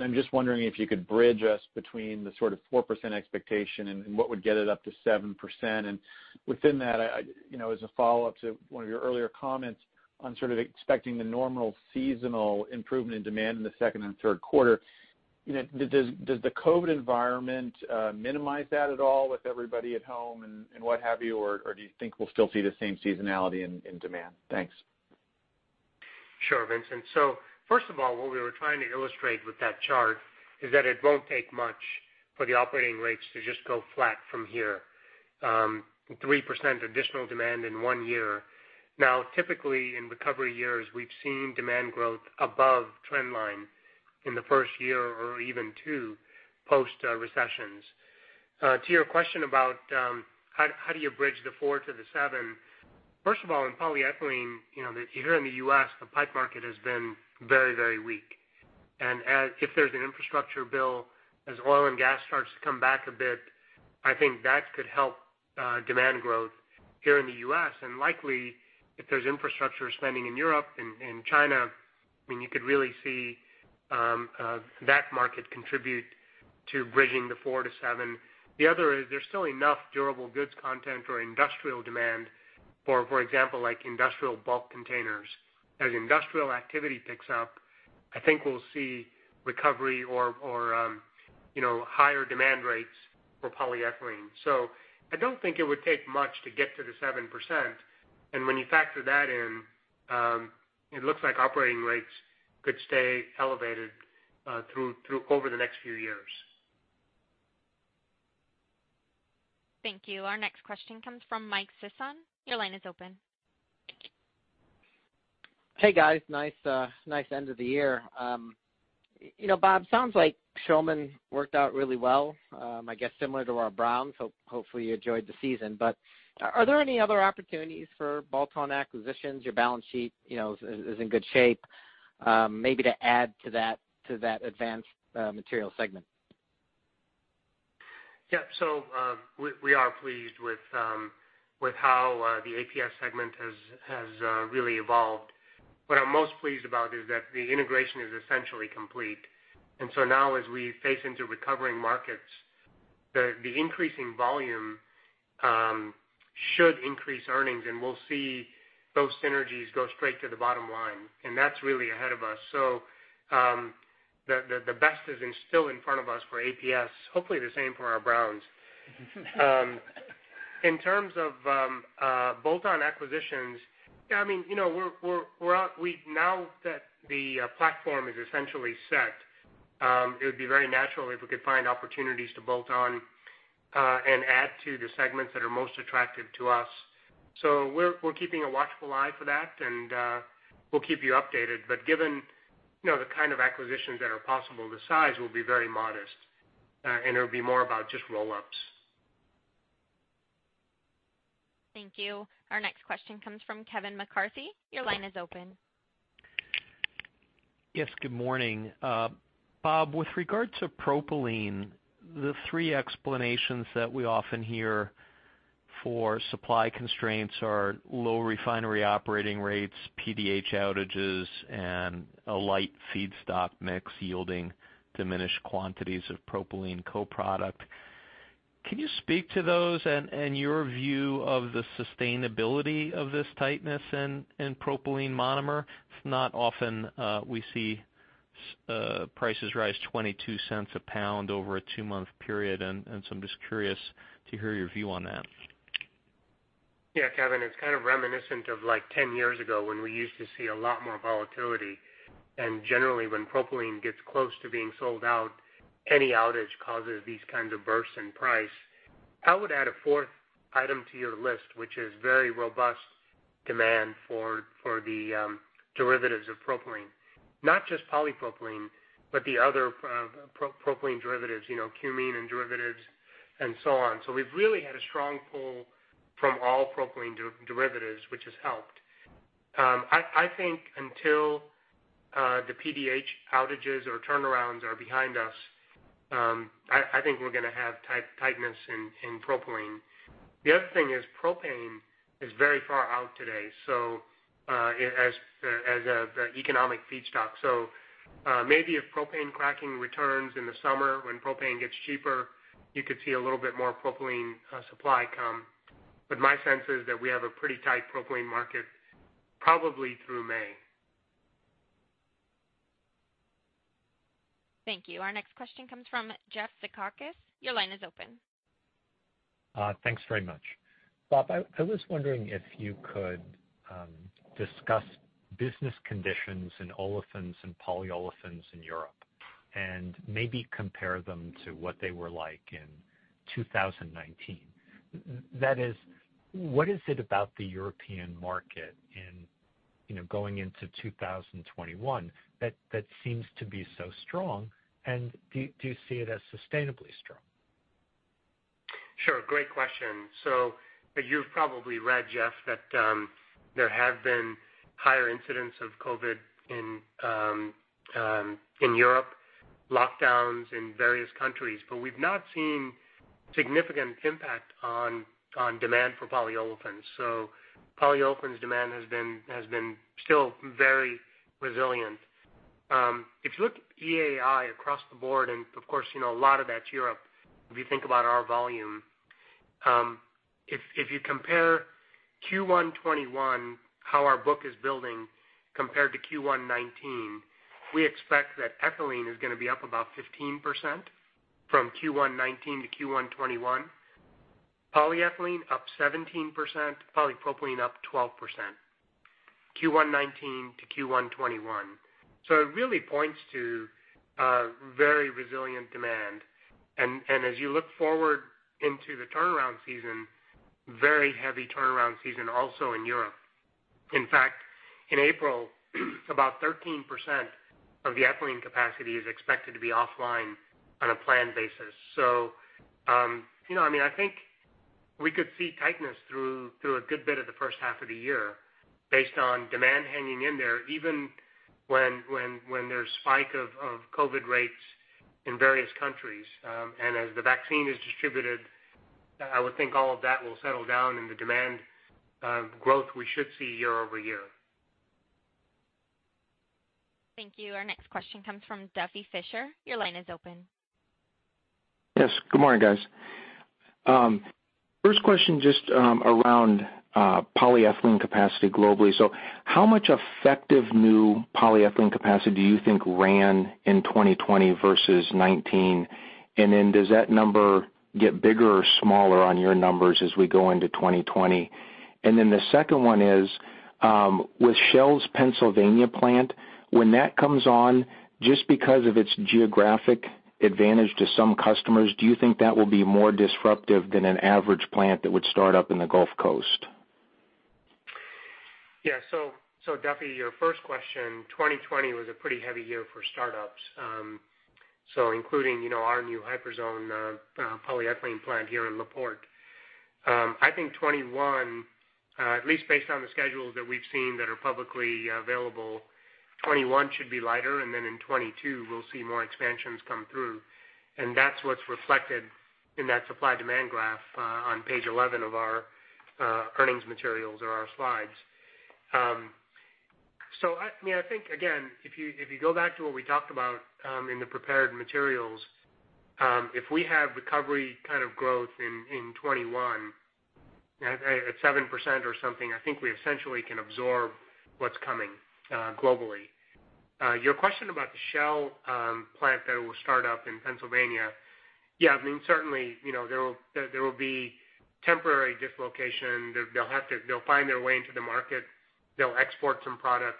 Speaker 8: I'm just wondering if you could bridge us between the sort of 4% expectation and what would get it up to 7%. Within that, as a follow-up to one of your earlier comments on sort of expecting the normal seasonal improvement in demand in the second and third quarter, does the COVID environment minimize that at all with everybody at home and what have you, or do you think we'll still see the same seasonality in demand? Thanks.
Speaker 3: Sure, Vincent. First of all, what we were trying to illustrate with that chart is that it won't take much for the operating rates to just go flat from here. 3% additional demand in one year. Now, typically in recovery years, we've seen demand growth above trend line in the first year or even two post-recessions. To your question about how do you bridge the 4% to the 7%. First of all, in polyethylene, here in the U.S., the pipe market has been very weak. If there's an infrastructure bill, as oil and gas starts to come back a bit, I think that could help demand growth here in the U.S. Likely if there's infrastructure spending in Europe and China, you could really see that market contribute to bridging the 4%-7%. The other is there's still enough durable goods content or industrial demand. For example, like industrial bulk containers. As industrial activity picks up, I think we'll see recovery or higher demand rates for polyethylene. I don't think it would take much to get to the 7%. When you factor that in, it looks like operating rates could stay elevated over the next few years.
Speaker 1: Thank you. Our next question comes from Mike Sison. Your line is open.
Speaker 9: Hey, guys. Nice end of the year. Bob, sounds like Shulman worked out really well. I guess similar to our Browns. Hopefully you enjoyed the season. Are there any other opportunities for bolt-on acquisitions? Your balance sheet is in good shape. Maybe to add to that advanced material segment.
Speaker 3: Yeah. We are pleased with how the APS segment has really evolved. What I'm most pleased about is that the integration is essentially complete. Now as we face into recovering markets, the increasing volume should increase earnings, and we'll see those synergies go straight to the bottom line, and that's really ahead of us. The best is still in front of us for APS, hopefully the same for our Browns. In terms of bolt-on acquisitions, now that the platform is essentially set, it would be very natural if we could find opportunities to bolt on and add to the segments that are most attractive to us. We're keeping a watchful eye for that, and we'll keep you updated. Given the kind of acquisitions that are possible, the size will be very modest, and it'll be more about just roll-ups.
Speaker 1: Thank you. Our next question comes from Kevin McCarthy. Your line is open.
Speaker 10: Yes, good morning. Bob, with regard to propylene, the three explanations that we often hear for supply constraints are low refinery operating rates, PDH outages, and a light feedstock mix yielding diminished quantities of propylene co-product. Can you speak to those and your view of the sustainability of this tightness in propylene monomer? It's not often we see prices rise $0.22 a pound over a two-month period. I'm just curious to hear your view on that.
Speaker 3: Yeah, Kevin. It's kind of reminiscent of 10 years ago when we used to see a lot more volatility. Generally, when propylene gets close to being sold out, any outage causes these kinds of bursts in price. I would add a fourth item to your list, which is very robust demand for the derivatives of propylene. Not just polypropylene, but the other propylene derivatives, cumene and derivatives and so on. We've really had a strong pull from all propylene derivatives, which has helped. I think until the PDH outages or turnarounds are behind us, I think we're going to have tightness in propylene. The other thing is propane is very far out today as the economic feedstock. Maybe if propane cracking returns in the summer when propane gets cheaper, you could see a little bit more propylene supply come. My sense is that we have a pretty tight propylene market probably through May.
Speaker 1: Thank you. Our next question comes from Jeff Zekauskas. Your line is open.
Speaker 11: Thanks very much. Bob, I was wondering if you could discuss business conditions in olefins and polyolefins in Europe, and maybe compare them to what they were like in 2019. That is, what is it about the European market in going into 2021 that seems to be so strong, and do you see it as sustainably strong?
Speaker 3: Sure. Great question. You've probably read, Jeff, that there have been higher incidents of COVID in Europe, lockdowns in various countries. We've not seen significant impact on demand for polyolefins. Polyolefins demand has been still very resilient. If you look at EAI across the board, and of course, a lot of that's Europe, if you think about our volume. If you compare Q1 2021, how our book is building compared to Q1 2019, we expect that ethylene is going to be up about 15% from Q1 2019 to Q1 2021. Polyethylene up 17%, polypropylene up 12%, Q1 2019 to Q1 2021. It really points to a very resilient demand. As you look forward into the turnaround season, very heavy turnaround season also in Europe. In fact, in April, about 13% of the ethylene capacity is expected to be offline on a planned basis. I think we could see tightness through a good bit of the first half of the year based on demand hanging in there, even when there's spike of COVID rates in various countries. As the vaccine is distributed, I would think all of that will settle down and the demand growth we should see year-over-year.
Speaker 1: Thank you. Our next question comes from Duffy Fischer. Your line is open.
Speaker 12: Yes. Good morning, guys. First question just around polyethylene capacity globally. How much effective new polyethylene capacity do you think ran in 2020 versus 2019? Does that number get bigger or smaller on your numbers as we go into 2020? The second one is, with Shell's Pennsylvania plant, when that comes on, just because of its geographic advantage to some customers, do you think that will be more disruptive than an average plant that would start up in the Gulf Coast?
Speaker 3: Duffy, your first question, 2020 was a pretty heavy year for startups. Including our new Hyperzone polyethylene plant here in La Porte. I think 2021, at least based on the schedules that we've seen that are publicly available, 2021 should be lighter, and then in 2022, we'll see more expansions come through. That's what's reflected in that supply demand graph on page 11 of our earnings materials or our slides. I think, again, if you go back to what we talked about in the prepared materials, if we have recovery kind of growth in 2021 at 7% or something, I think we essentially can absorb what's coming globally. Your question about the Shell plant that will start up in Pennsylvania. Certainly, there will be temporary dislocation. They'll find their way into the market. They'll export some product.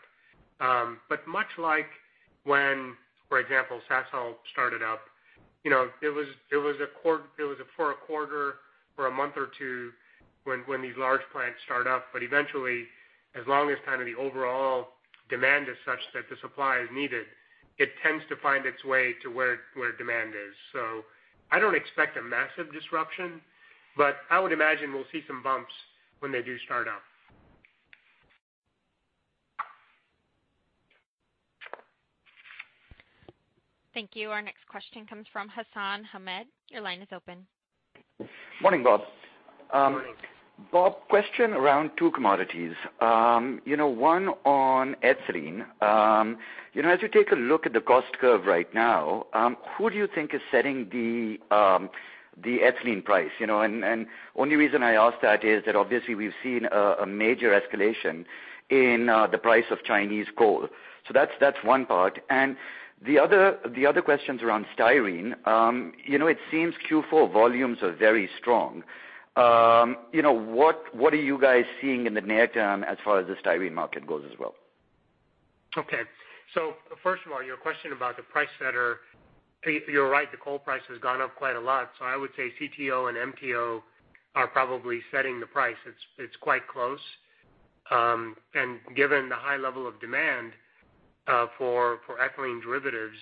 Speaker 3: Much like when, for example, Sasol started up, it was for a quarter or a month or two when these large plants start up. Eventually, as long as kind of the overall demand is such that the supply is needed, it tends to find its way to where demand is. I don't expect a massive disruption, but I would imagine we'll see some bumps when they do start up.
Speaker 1: Thank you. Our next question comes from Hassan Ahmed. Your line is open.
Speaker 13: Morning, Bob.
Speaker 3: Morning.
Speaker 13: Bob, question around two commodities. One on ethylene. As you take a look at the cost curve right now, who do you think is setting the ethylene price? Only reason I ask that is that obviously we've seen a major escalation in the price of Chinese coal. That's one part. The other question's around styrene. It seems Q4 volumes are very strong. What are you guys seeing in the near term as far as the styrene market goes as well?
Speaker 3: Okay. First of all, your question about the price setter. You're right, the coal price has gone up quite a lot. I would say CTO and MTO are probably setting the price. It's quite close. Given the high level of demand for ethylene derivatives,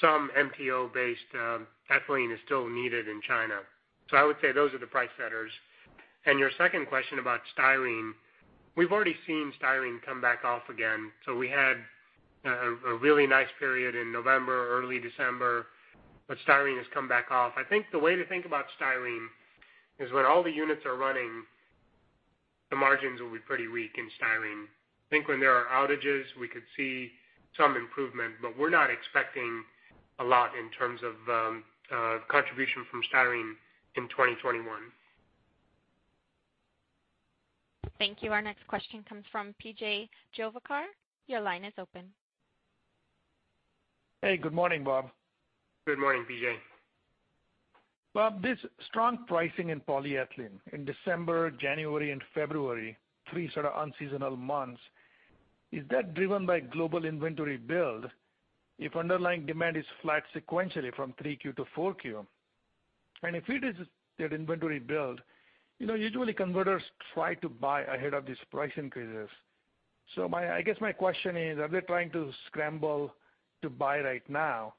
Speaker 3: some MTO-based ethylene is still needed in China. I would say those are the price setters. Your second question about styrene, we've already seen styrene come back off again. We had a really nice period in November, early December, but styrene has come back off. I think the way to think about styrene is when all the units are running, the margins will be pretty weak in styrene. I think when there are outages, we could see some improvement, but we're not expecting a lot in terms of contribution from styrene in 2021.
Speaker 1: Thank you. Our next question comes from PJ Juvekar. Your line is open.
Speaker 14: Hey, good morning, Bob.
Speaker 3: Good morning, PJ.
Speaker 14: Bob, this strong pricing in polyethylene in December, January, and February, three sort of unseasonal months, is that driven by global inventory build if underlying demand is flat sequentially from 3Q to 4Q? If it is their inventory build, usually converters try to buy ahead of these price increases. I guess my question is, are they trying to scramble to buy right now?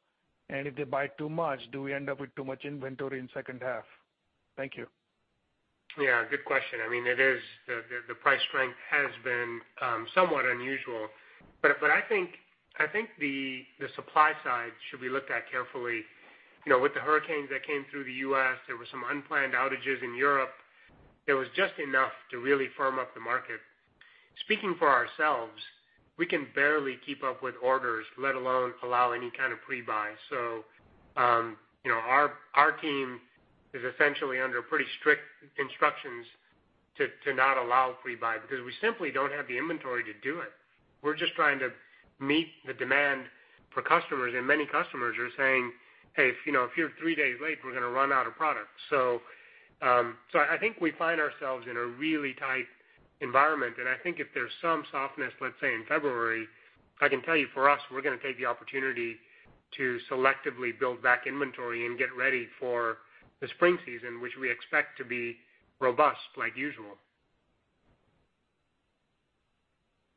Speaker 14: If they buy too much, do we end up with too much inventory in second half? Thank you.
Speaker 3: Yeah, good question. The price strength has been somewhat unusual. I think the supply side should be looked at carefully. With the hurricanes that came through the U.S., there were some unplanned outages in Europe. It was just enough to really firm up the market. Speaking for ourselves, we can barely keep up with orders, let alone allow any kind of pre-buy. Our team is essentially under pretty strict instructions to not allow pre-buy because we simply don't have the inventory to do it. We're just trying to meet the demand for customers, and many customers are saying, "Hey, if you're three days late, we're going to run out of product." I think we find ourselves in a really tight environment, and I think if there's some softness, let's say in February, I can tell you for us, we're going to take the opportunity to selectively build back inventory and get ready for the spring season, which we expect to be robust like usual.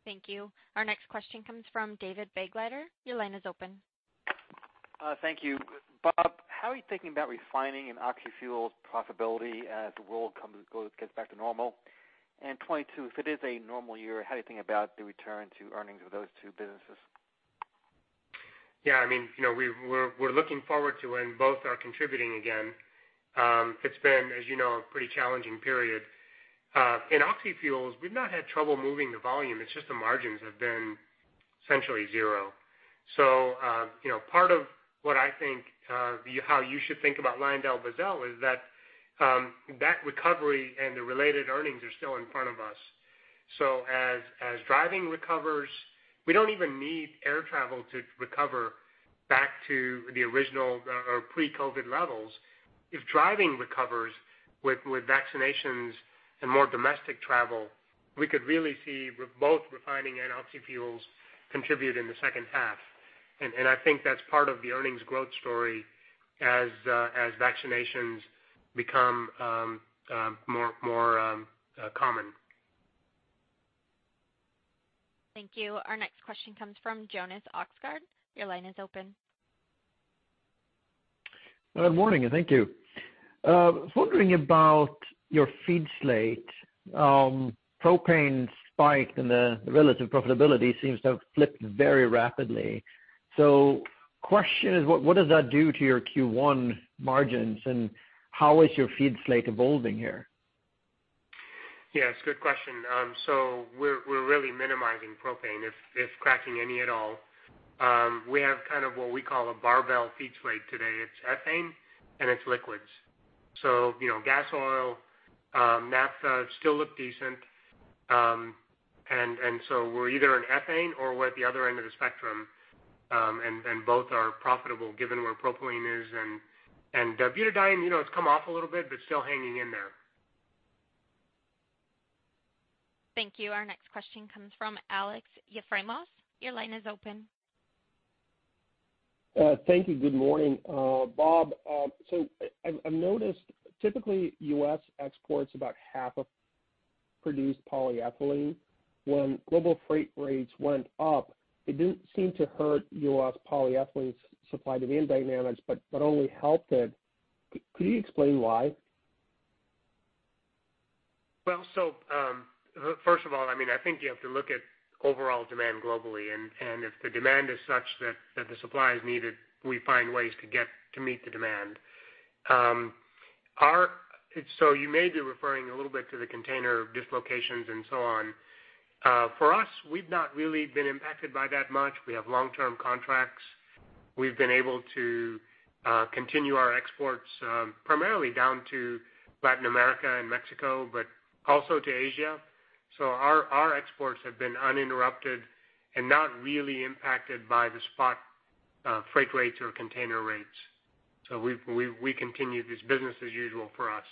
Speaker 1: Thank you. Our next question comes from David Begleiter. Your line is open.
Speaker 15: Thank you. Bob, how are you thinking about refining and oxyfuels profitability as the world gets back to normal? Point two, if it is a normal year, how do you think about the return to earnings of those two businesses?
Speaker 3: Yeah. We're looking forward to when both are contributing again. It's been, as you know, a pretty challenging period. In oxyfuels, we've not had trouble moving the volume. It's just the margins have been essentially zero. Part of how you should think about LyondellBasell is that that recovery and the related earnings are still in front of us. As driving recovers, we don't even need air travel to recover back to the original or pre-COVID levels. If driving recovers with vaccinations and more domestic travel, we could really see both refining and oxyfuels contribute in the second half. I think that's part of the earnings growth story as vaccinations become more common.
Speaker 1: Thank you. Our next question comes from Jonas Oxgaard. Your line is open.
Speaker 16: Good morning, and thank you. Wondering about your feed slate. Propane spiked and the relative profitability seems to have flipped very rapidly. Question is, what does that do to your Q1 margins, and how is your feed slate evolving here?
Speaker 3: Yes, good question. We're really minimizing propane, if cracking any at all. We have kind of what we call a barbell feed slate today. It's ethane and it's liquids. Gas oil, naphtha still look decent. We're either in ethane or we're at the other end of the spectrum. Both are profitable given where propylene is. Butadiene, it's come off a little bit, but still hanging in there.
Speaker 1: Thank you. Our next question comes from Alex Yefremov. Your line is open.
Speaker 17: Thank you. Good morning. Bob, I've noticed typically U.S. exports about half of produced polyethylene. When global freight rates went up, it didn't seem to hurt U.S. polyethylene supply dynamics, but only helped it. Could you explain why?
Speaker 3: First of all, I think you have to look at overall demand globally. If the demand is such that the supply is needed, we find ways to meet the demand. You may be referring a little bit to the container dislocations and so on. For us, we've not really been impacted by that much. We have long-term contracts. We've been able to continue our exports primarily down to Latin America and Mexico, but also to Asia. Our exports have been uninterrupted and not really impacted by the spot freight rates or container rates. We continue this business as usual for us.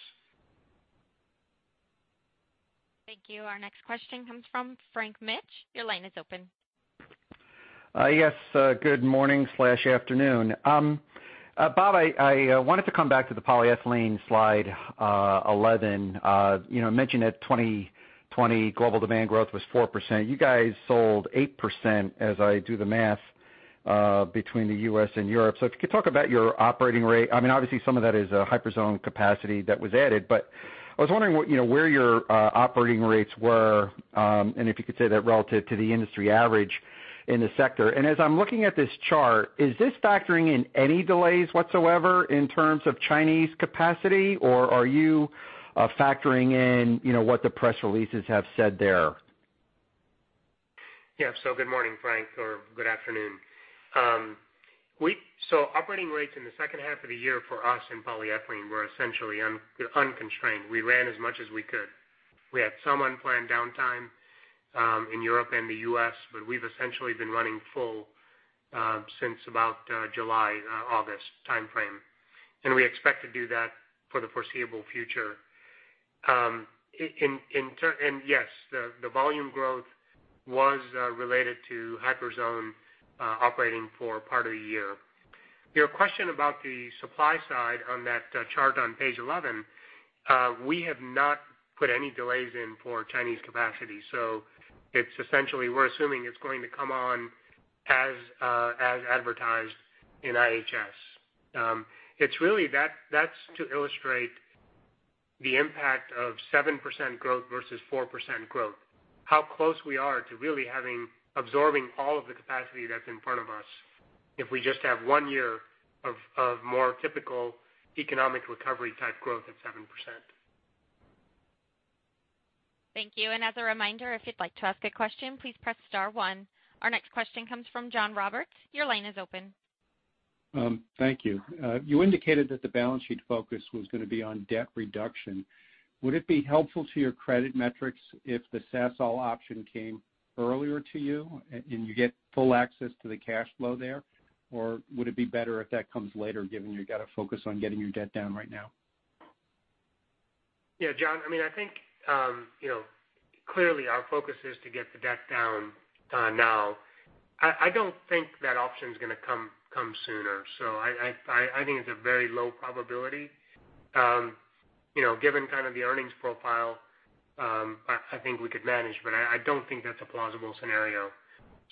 Speaker 1: Thank you. Our next question comes from Frank Mitsch. Your line is open.
Speaker 18: Yes. Good morning/afternoon. Bob, I wanted to come back to the polyethylene slide 11. You mentioned that 2020 global demand growth was 4%. You guys sold 8%, as I do the math, between the U.S. and Europe. If you could talk about your operating rate. Obviously, some of that is Hyperzone capacity that was added, but I was wondering where your operating rates were and if you could say that relative to the industry average in the sector. As I'm looking at this chart, is this factoring in any delays whatsoever in terms of Chinese capacity, or are you factoring in what the press releases have said there?
Speaker 3: Yeah. Good morning, Frank, or good afternoon. Operating rates in the second half of the year for us in polyethylene were essentially unconstrained. We ran as much as we could. We had some unplanned downtime in Europe and the U.S., but we've essentially been running full since about July, August timeframe, and we expect to do that for the foreseeable future. Yes, the volume growth was related to Hyperzone operating for part of the year. Your question about the supply side on that chart on page 11, we have not put any delays in for Chinese capacity, so essentially we're assuming it's going to come on as advertised in IHS. That's to illustrate the impact of 7% growth versus 4% growth, how close we are to really absorbing all of the capacity that's in front of us if we just have one year of more typical economic recovery type growth of 7%.
Speaker 1: Thank you. As a reminder, if you would like to ask a question, please press star one. Our next question comes from John Roberts. Your line is open.
Speaker 19: Thank you. You indicated that the balance sheet focus was going to be on debt reduction. Would it be helpful to your credit metrics if the Sasol option came earlier to you and you get full access to the cash flow there? Or would it be better if that comes later, given you've got to focus on getting your debt down right now?
Speaker 3: John, I think clearly our focus is to get the debt down now. I don't think that option's going to come sooner. I think it's a very low probability. Given kind of the earnings profile, I think we could manage, but I don't think that's a plausible scenario.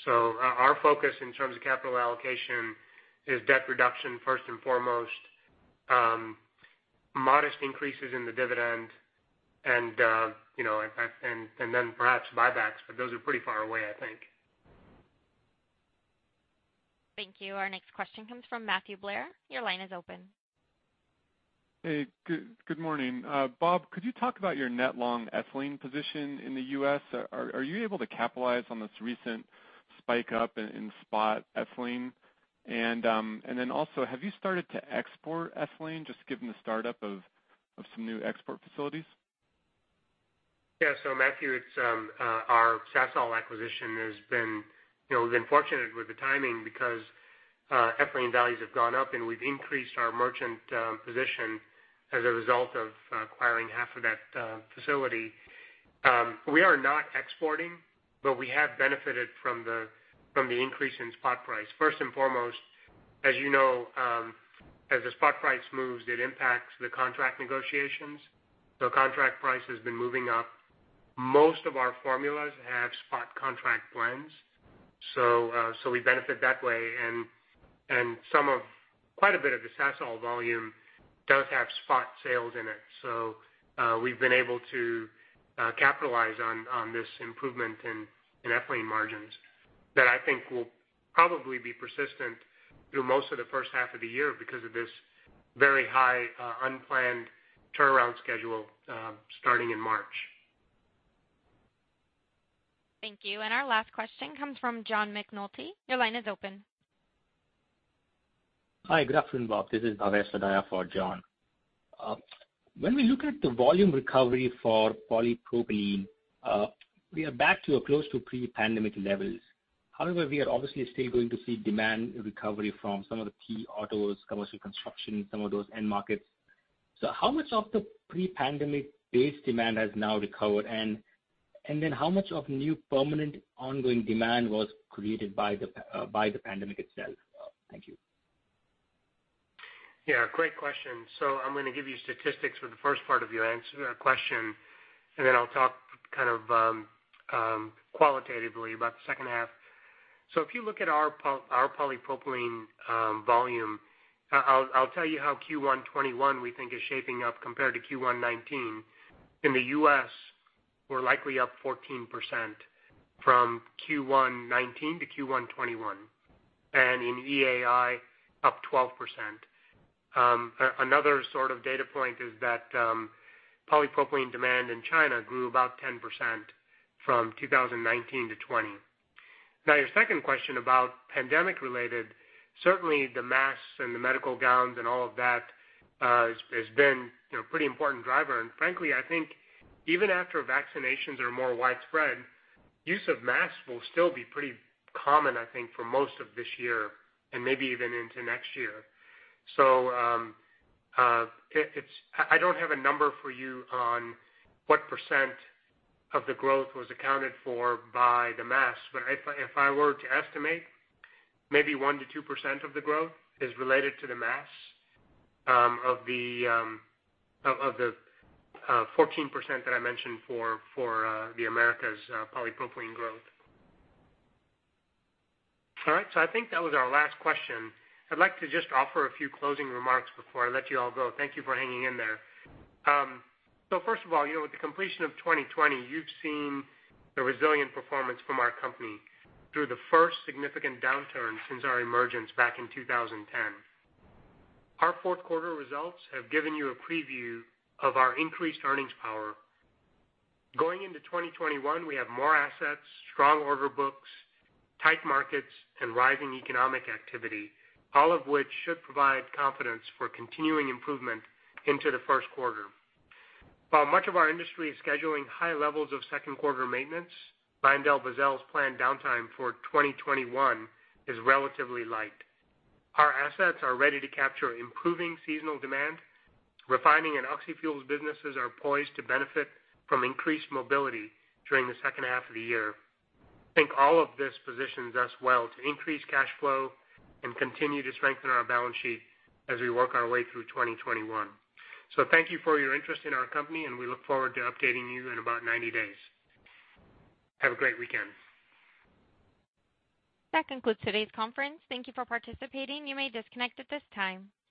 Speaker 3: Our focus in terms of capital allocation is debt reduction first and foremost, modest increases in the dividend, and then perhaps buybacks, but those are pretty far away, I think.
Speaker 1: Thank you. Our next question comes from Matthew Blair. Your line is open.
Speaker 20: Hey, good morning. Bob, could you talk about your net long ethylene position in the U.S.? Are you able to capitalize on this recent spike up in spot ethylene? Have you started to export ethylene, just given the startup of some new export facilities?
Speaker 3: Yeah. Matthew, our Sasol acquisition has been fortunate with the timing because ethylene values have gone up and we've increased our merchant position as a result of acquiring half of that facility. We are not exporting, we have benefited from the increase in spot price. First and foremost, as you know, as the spot price moves, it impacts the contract negotiations. Contract price has been moving up. Most of our formulas have spot contract blends, we benefit that way, quite a bit of the Sasol volume does have spot sales in it. We've been able to capitalize on this improvement in ethylene margins that I think will probably be persistent through most of the first half of the year because of this very high unplanned turnaround schedule starting in March.
Speaker 1: Thank you. Our last question comes from John McNulty. Your line is open.
Speaker 21: Hi, good afternoon, Bob. This is Bhavesh Lodaya for John. When we look at the volume recovery for polypropylene, we are back to a close to pre-pandemic levels. However, we are obviously still going to see demand recovery from some of the key autos, commercial construction, some of those end markets. How much of the pre-pandemic base demand has now recovered? How much of new permanent ongoing demand was created by the pandemic itself? Thank you.
Speaker 3: Yeah, great question. I'm going to give you statistics for the first part of your question, and then I'll talk kind of qualitatively about the second half. If you look at our polypropylene volume, I'll tell you how Q1 2021 we think is shaping up compared to Q1 2019. In the U.S., we're likely up 14% from Q1 2019 to Q1 2021, and in EAI, up 12%. Another sort of data point is that polypropylene demand in China grew about 10% from 2019 to 2020. Your second question about pandemic related, certainly the masks and the medical gowns and all of that has been a pretty important driver. Frankly, I think even after vaccinations are more widespread, use of masks will still be pretty common, I think, for most of this year and maybe even into next year. I don't have a number for you on what percent of the growth was accounted for by the masks, but if I were to estimate, maybe 1%-2% of the growth is related to the masks of the 14% that I mentioned for the Americas' polypropylene growth. All right, I think that was our last question. I'd like to just offer a few closing remarks before I let you all go. Thank you for hanging in there. First of all, with the completion of 2020, you've seen the resilient performance from our company through the first significant downturn since our emergence back in 2010. Our fourth quarter results have given you a preview of our increased earnings power. Going into 2021, we have more assets, strong order books, tight markets, and rising economic activity, all of which should provide confidence for continuing improvement into the first quarter. While much of our industry is scheduling high levels of second quarter maintenance, LyondellBasell's planned downtime for 2021 is relatively light. Our assets are ready to capture improving seasonal demand. Refining and oxy fuels businesses are poised to benefit from increased mobility during the second half of the year. I think all of this positions us well to increase cash flow and continue to strengthen our balance sheet as we work our way through 2021. Thank you for your interest in our company, and we look forward to updating you in about 90 days. Have a great weekend.
Speaker 1: That concludes today's conference. Thank you for participating. You may disconnect at this time.